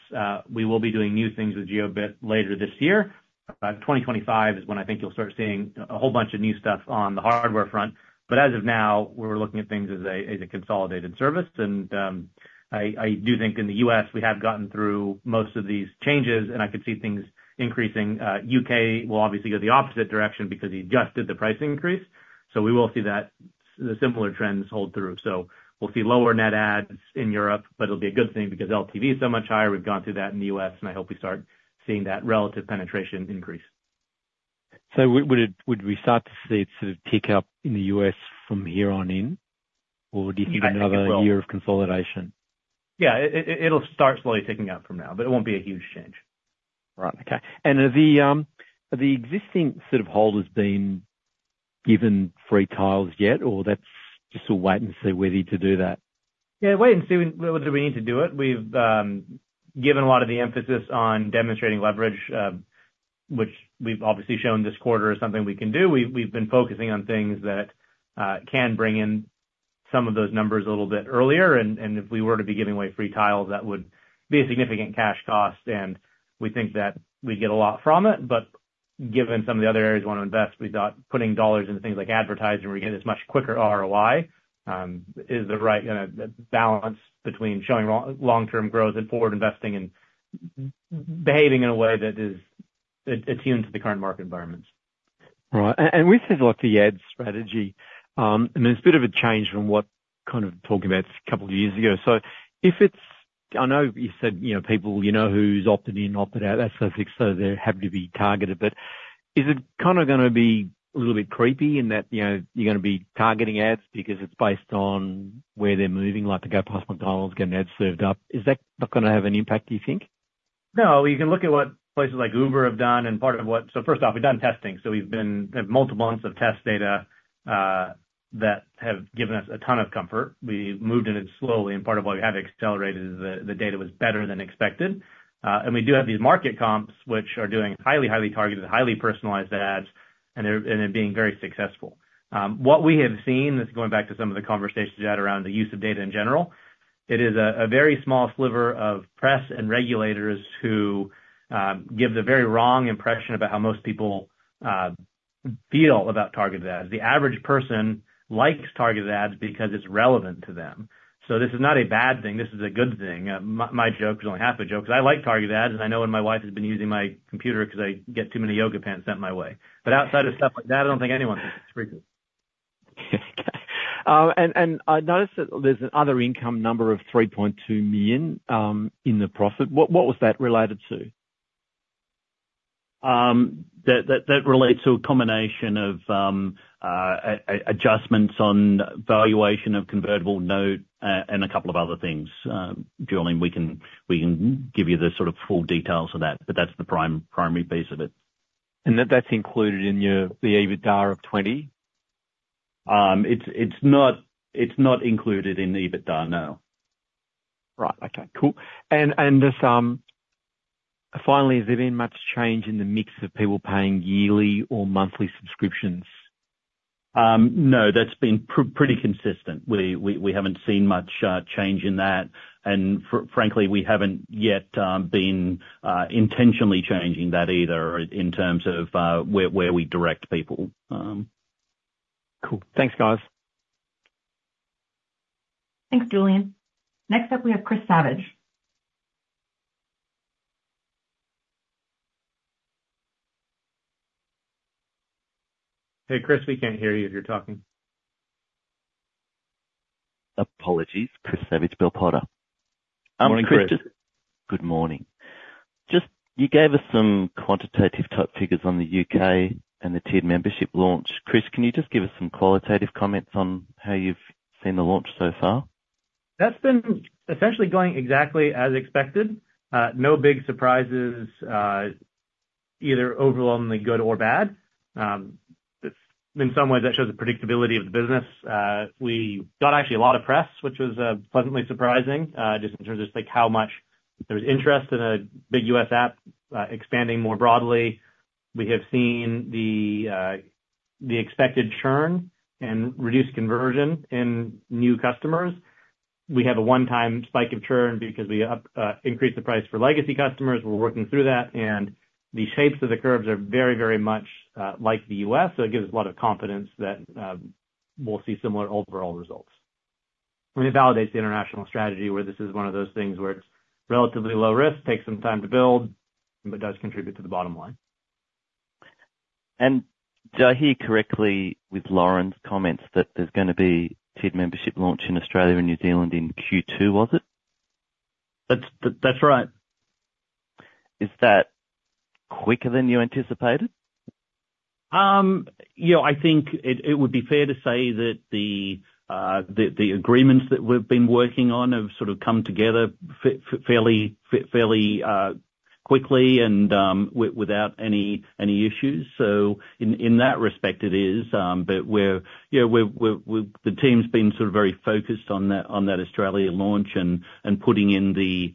We will be doing new things with Jiobit later this year. By 2025 is when I think you'll start seeing a whole bunch of new stuff on the hardware front. But as of now, we're looking at things as a consolidated service. I do think in the U.S., we have gotten through most of these changes, and I could see things increasing. U.K. will obviously go the opposite direction because we adjusted the price increase, so we will see that the similar trends hold through. So we'll see lower net adds in Europe, but it'll be a good thing because LTV is so much higher. We've gone through that in the U.S., and I hope we start seeing that relative penetration increase. So would we start to see it sort of tick up in the U.S. from here on in? Or do you need another year of consolidation? Yeah. It'll start slowly ticking up from now, but it won't be a huge change. Right. Okay. And have the existing sort of holders been given free Tiles yet, or that's just a wait and see whether to do that? Yeah, wait and see whether we need to do it. We've given a lot of the emphasis on demonstrating leverage, which we've obviously shown this quarter is something we can do. We've been focusing on things that can bring in some of those numbers a little bit earlier. And if we were to be giving away free Tiles, that would be a significant cash cost, and we think that we'd get a lot from it, but given some of the other areas we want to invest, we thought putting dollars into things like advertising, where you get as much quicker ROI, is the right, you know, balance between showing long, long-term growth and forward investing and behaving in a way that is attuned to the current market environment. Right. And we've seen a lot of the ad strategy, and it's a bit of a change from what kind of talking about a couple of years ago. So if it's... I know you said, you know, people you know who's opted in, opted out, that sort of thing, so they're happy to be targeted. But is it kind of gonna be a little bit creepy in that, you know, you're gonna be targeting ads because it's based on where they're moving, like to go past McDonald's, get an ad served up? Is that not gonna have an impact, do you think? No, you can look at what places like Uber have done and part of what... So first off, we've done testing, so we've had multiple months of test data that have given us a ton of comfort. We moved in it slowly, and part of why we have accelerated is the data was better than expected. And we do have these market comps, which are doing highly targeted and highly personalized ads, and they're being very successful. What we have seen, this is going back to some of the conversations you had around the use of data in general. It is a very small sliver of press and regulators who give the very wrong impression about how most people feel about targeted ads. The average person likes targeted ads because it's relevant to them. This is not a bad thing, this is a good thing. My joke is only half a joke, 'cause I like targeted ads, and I know when my wife has been using my computer, 'cause I get too many yoga pants sent my way. But outside of stuff like that, I don't think anyone thinks it's creepy. I noticed that there's other income number of $3.2 million in the profit. What was that related to? That relates to a combination of adjustments on valuation of convertible note, and a couple of other things. Julian, we can give you the sort of full details of that, but that's the primary piece of it. And that's included in your, the EBITDA of $20? It's not included in the EBITDA, no. Right. Okay, cool. And just, finally, has there been much change in the mix of people paying yearly or monthly subscriptions? No. That's been pretty consistent. We haven't seen much change in that, and frankly, we haven't yet been intentionally changing that either in terms of where we direct people. Cool. Thanks, guys. Thanks, Julian. Next up, we have Chris Savage. Hey, Chris, we can't hear you if you're talking. Apologies, Chris Savage, Bell Potter. Morning, Chris. Chris... Good morning. Just, you gave us some quantitative-type figures on the U.K. and the tiered membership launch. Chris, can you just give us some qualitative comments on how you've seen the launch so far? That's been essentially going exactly as expected. No big surprises, either overwhelmingly good or bad. It's, in some ways, that shows the predictability of the business. We got actually a lot of press, which was pleasantly surprising, just in terms of just, like, how much there was interest in a big U.S. app, expanding more broadly. We have seen the expected churn and reduced conversion in new customers. We had a one-time spike of churn because we increased the price for legacy customers. We're working through that, and the shapes of the curves are very, very much like the U.S., so it gives a lot of confidence that we'll see similar overall results. It validates the international strategy, where this is one of those things where it's relatively low risk, takes some time to build, but does contribute to the bottom line. Do I hear correctly with Lauren's comments, that there's gonna be tiered membership launch in Australia and New Zealand in Q2, was it? That's, that's right. Is that quicker than you anticipated? Yeah, I think it would be fair to say that the agreements that we've been working on have sort of come together fairly quickly, and without any issues. So in that respect, it is, but we're, you know, the team's been sort of very focused on that Australia launch, and putting in the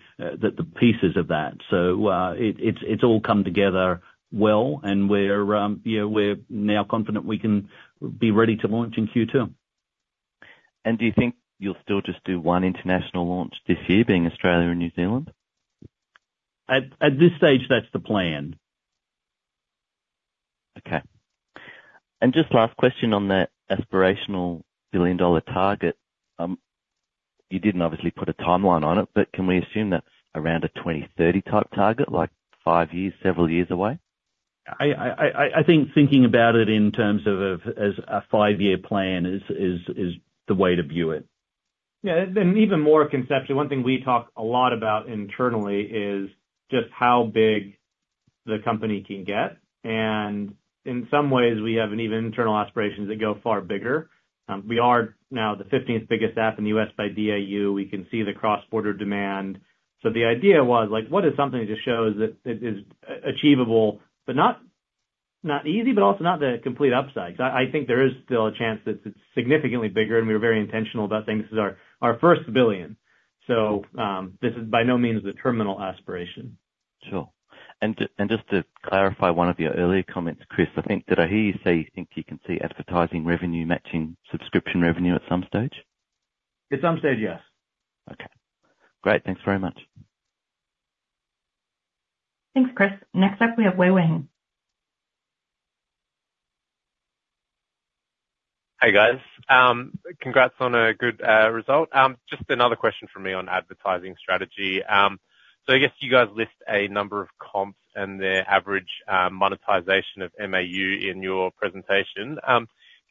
pieces of that. So, it's all come together well, and we're, you know, we're now confident we can be ready to launch in Q2. Do you think you'll still just do one international launch this year, being Australia and New Zealand? At this stage, that's the plan. Okay. And just last question on that aspirational billion-dollar target. You didn't obviously put a timeline on it, but can we assume that around a 2030 type target, like five years, several years away? I think thinking about it in terms of as a five-year plan is the way to view it. Yeah, and, and even more conceptually, one thing we talk a lot about internally is just how big the company can get, and in some ways, we have an even internal aspirations that go far bigger. We are now the fifteenth biggest app in the U.S. by DAU. We can see the cross-border demand. So the idea was, like, what is something that just shows that it is achievable, but not, not easy, but also not the complete upside? 'Cause I, I think there is still a chance that it's significantly bigger, and we were very intentional about saying this is our, our first billion. So, this is by no means a terminal aspiration. Sure. And just to clarify one of your earlier comments, Chris, I think, did I hear you say you think you can see advertising revenue matching subscription revenue at some stage? At some stage, yes. Okay. Great. Thanks very much. Thanks, Chris. Next up, we have Wei-Weng. Hey, guys. Congrats on a good result. Just another question from me on advertising strategy. So I guess you guys list a number of comps and their average monetization of MAU in your presentation.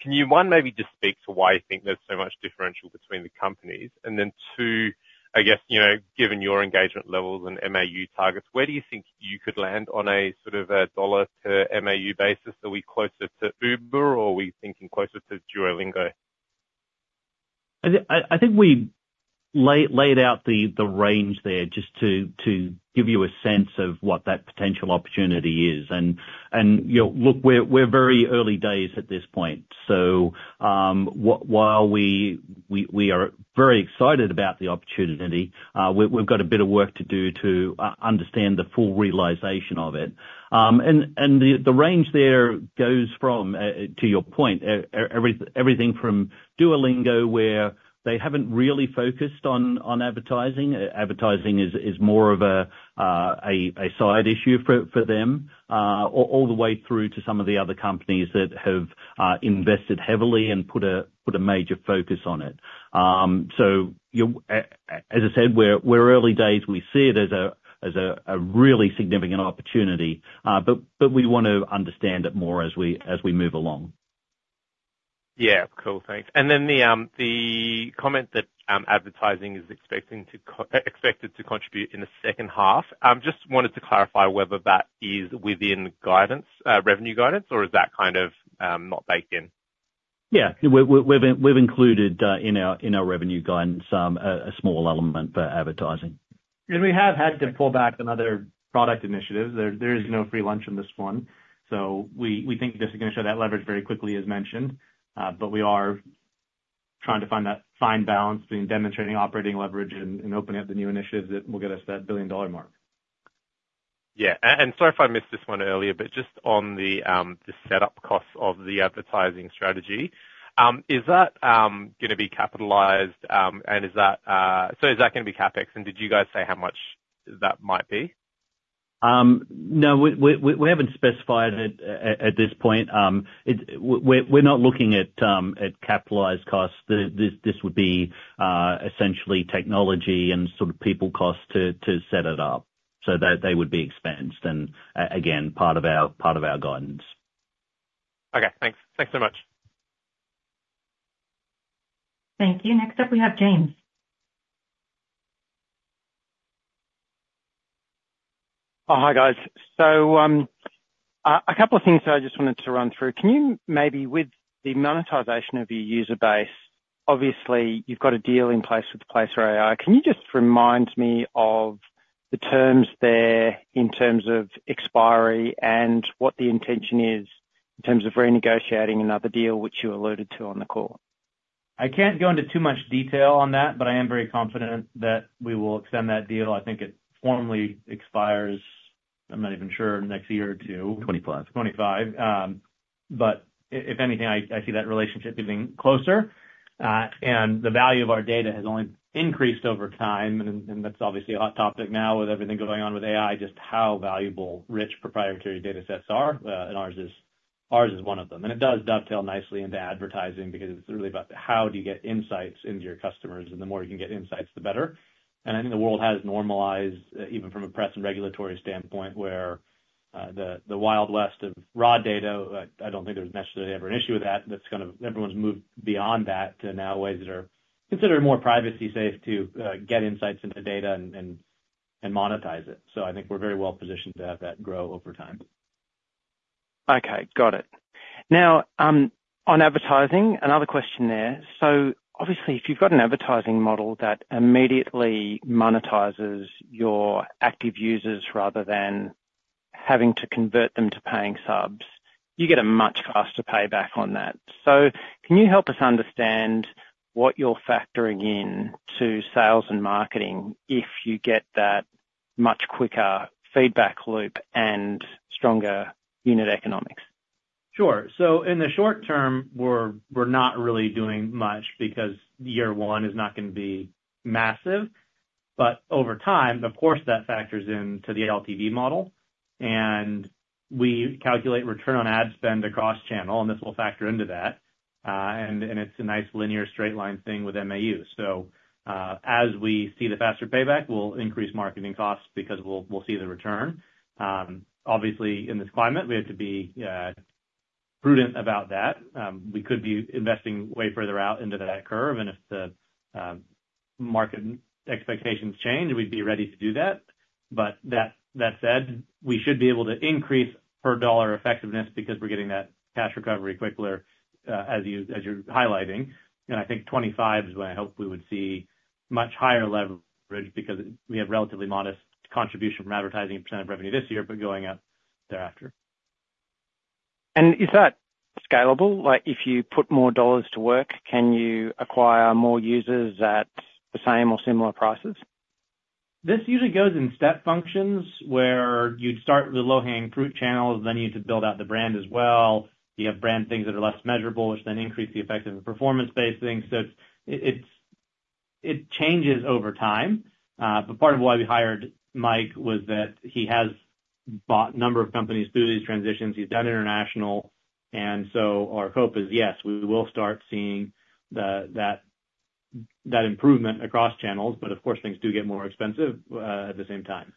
Can you, one, maybe just speak to why you think there's so much differential between the companies? And then two, I guess, you know, given your engagement levels and MAU targets, where do you think you could land on a sort of a dollar-per-MAU basis? Are we closer to Uber, or are we thinking closer to Duolingo?... I think we laid out the range there just to give you a sense of what that potential opportunity is. And you know, look, we're very early days at this point, so while we are very excited about the opportunity, we've got a bit of work to do to understand the full realization of it. And the range there goes from, to your point, everything from Duolingo, where they haven't really focused on advertising. Advertising is more of a side issue for them, all the way through to some of the other companies that have invested heavily and put a major focus on it. So as I said, we're early days. We see it as a really significant opportunity, but we want to understand it more as we move along. Yeah. Cool, thanks. And then the comment that advertising is expected to contribute in the second half, just wanted to clarify whether that is within guidance, revenue guidance, or is that kind of not baked in? Yeah. We've included in our revenue guidance a small element for advertising. We have had to pull back on other product initiatives. There is no free lunch on this one. So we think this is gonna show that leverage very quickly, as mentioned, but we are trying to find that fine balance between demonstrating operating leverage and opening up the new initiatives that will get us to that billion-dollar mark. Yeah. And sorry if I missed this one earlier, but just on the setup costs of the advertising strategy, is that gonna be capitalized? And is that gonna be CapEx, and did you guys say how much that might be? No, we haven't specified it at this point. We're not looking at capitalized costs. This would be essentially technology and sort of people costs to set it up, so they would be expensed, and again, part of our guidance. Okay, thanks. Thanks so much. Thank you. Next up, we have James. Oh, hi, guys. So, a couple of things that I just wanted to run through. Can you, maybe with the monetization of your user base, obviously, you've got a deal in place with Placer.ai. Can you just remind me of the terms there, in terms of expiry, and what the intention is, in terms of renegotiating another deal, which you alluded to on the call? I can't go into too much detail on that, but I am very confident that we will extend that deal. I think it formally expires, I'm not even sure, next year or two. 25. 25. But if anything, I see that relationship getting closer, and the value of our data has only increased over time, and that's obviously a hot topic now with everything going on with AI, just how valuable rich proprietary datasets are, and ours is one of them. And it does dovetail nicely into advertising, because it's really about how do you get insights into your customers, and the more you can get insights, the better. And I think the world has normalized, even from a press and regulatory standpoint, where the Wild West of raw data, I don't think there was necessarily ever an issue with that. That's kind of... Everyone's moved beyond that to now ways that are considered more privacy safe to get insights into data and monetize it. So I think we're very well positioned to have that grow over time. Okay, got it. Now, on advertising, another question there: so obviously, if you've got an advertising model that immediately monetizes your active users rather than having to convert them to paying subs, you get a much faster payback on that. So can you help us understand what you're factoring in to sales and marketing, if you get that much quicker feedback loop and stronger unit economics? Sure. So in the short term, we're not really doing much, because year one is not gonna be massive. But over time, of course, that factors into the LTV model, and we calculate return on ad spend across channel, and this will factor into that. And it's a nice linear straight line thing with MAU. So, as we see the faster payback, we'll increase marketing costs, because we'll see the return. Obviously, in this climate, we have to be prudent about that. We could be investing way further out into that curve, and if the market expectations change, we'd be ready to do that. But that said, we should be able to increase per dollar effectiveness, because we're getting that cash recovery quicker, as you're highlighting. I think 2025 is when I hope we would see much higher leverage, because we have relatively modest contribution from advertising percent of revenue this year, but going up thereafter. Is that scalable? Like, if you put more dollars to work, can you acquire more users at the same or similar prices? This usually goes in step functions, where you'd start with the low-hanging fruit channels, then you need to build out the brand as well. You have brand things that are less measurable, which then increase the effect of the performance-based things. So it changes over time, but part of why we hired Mike was that he has bought a number of companies through these transitions. He's done international, and so our hope is, yes, we will start seeing that improvement across channels, but of course, things do get more expensive at the same time.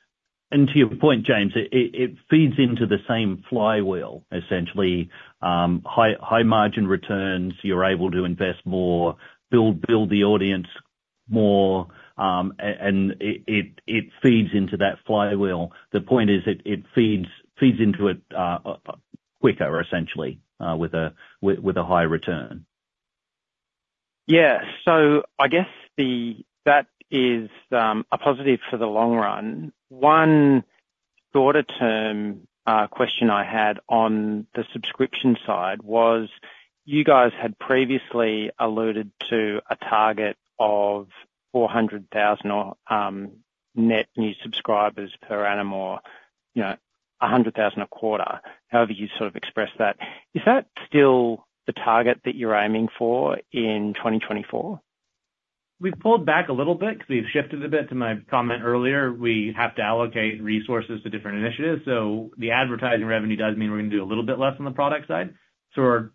To your point, James, it feeds into the same flywheel, essentially. High margin returns, you're able to invest more, build the audience more, and it feeds into that flywheel. The point is it feeds into it quicker, essentially, with a high return. Yeah. So I guess that is a positive for the long run. One shorter term question I had on the subscription side was, you guys had previously alluded to a target of 400,000 or net new subscribers per annum or, you know, a 100,000 a quarter, however you sort of expressed that. Is that still the target that you're aiming for in 2024? We've pulled back a little bit because we've shifted a bit to my comment earlier. We have to allocate resources to different initiatives, so the advertising revenue does mean we're gonna do a little bit less on the product side. So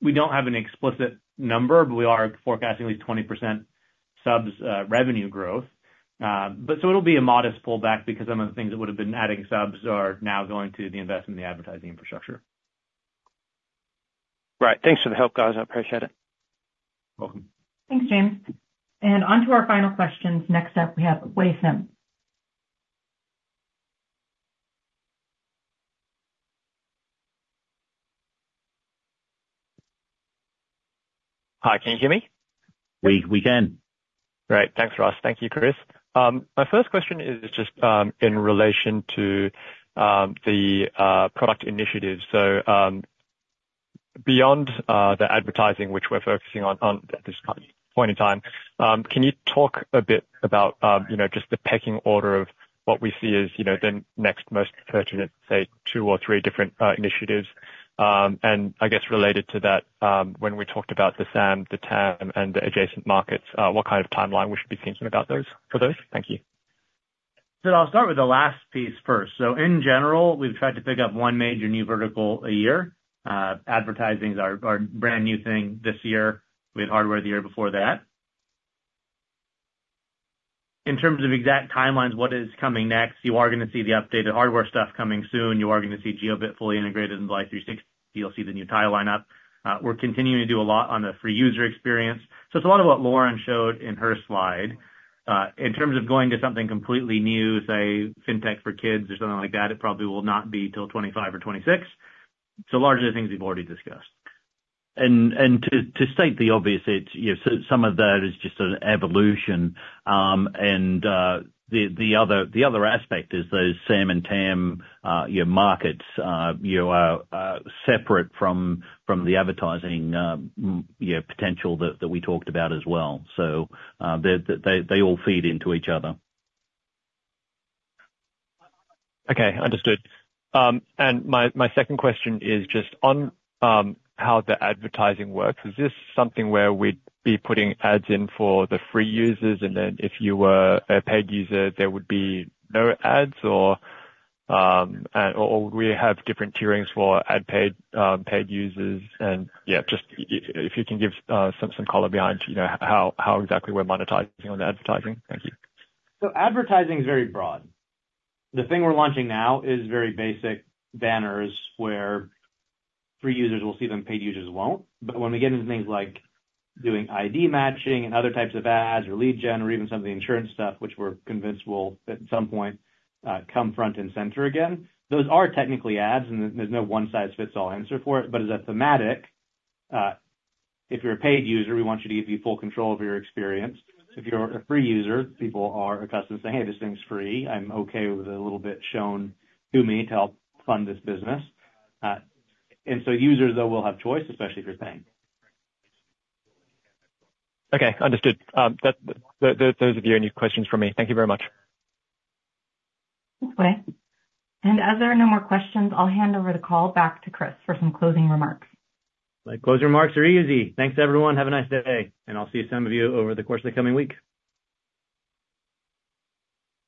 we don't have an explicit number, but we are forecasting at least 20% subs revenue growth. But so it'll be a modest pullback because some of the things that would have been adding subs are now going to the investment in the advertising infrastructure. Right. Thanks for the help, guys. I appreciate it. Welcome. Thanks, James. On to our final questions. Next up, we have Wei Sim. Hi, can you hear me? We can. Great. Thanks, Russ. Thank you, Chris. My first question is just in relation to the product initiatives. So, beyond the advertising, which we're focusing on at this point in time, can you talk a bit about, you know, just the pecking order of what we see as, you know, the next most pertinent, say, two or three different initiatives? And I guess related to that, when we talked about the SAM, the TAM, and the adjacent markets, what kind of timeline we should be thinking about those, for those? Thank you. So I'll start with the last piece first. So in general, we've tried to pick up one major new vertical a year. Advertising is our, our brand new thing this year. We had hardware the year before that. In terms of exact timelines, what is coming next, you are gonna see the updated hardware stuff coming soon. You are gonna see Jiobit fully integrated into Life360. You'll see the new Tile lineup. We're continuing to do a lot on the free user experience. So it's a lot of what Lauren showed in her slide. In terms of going to something completely new, say, fintech for kids or something like that, it probably will not be till 2025 or 2026. So largely the things we've already discussed. To state the obvious, it's, you know, so some of that is just an evolution. And the other aspect is those SAM and TAM, your markets, you know, are separate from the advertising, you know, potential that we talked about as well. So, they all feed into each other. Okay, understood. And my second question is just on how the advertising works. Is this something where we'd be putting ads in for the free users, and then if you were a paid user, there would be no ads? Or, and or, or we have different tierings for ad paid, paid users. And, yeah, just if you can give some color behind, you know, how exactly we're monetizing on the advertising. Thank you. So advertising is very broad. The thing we're launching now is very basic banners, where free users will see them, paid users won't. But when we get into things like doing ID matching and other types of ads or lead gen, or even some of the insurance stuff, which we're convinced will, at some point, come front and center again, those are technically ads, and there's no one-size-fits-all answer for it. But as a thematic, if you're a paid user, we want you to give you full control over your experience. If you're a free user, people are accustomed to saying, "Hey, this thing's free. I'm okay with a little bit shown to me to help fund this business." And so users, though, will have choice, especially if you're paying. Okay, understood. Those are the only questions from me. Thank you very much. Thanks, Wei. As there are no more questions, I'll hand over the call back to Chris for some closing remarks. My closing remarks are easy. Thanks, everyone. Have a nice day, and I'll see some of you over the course of the coming week.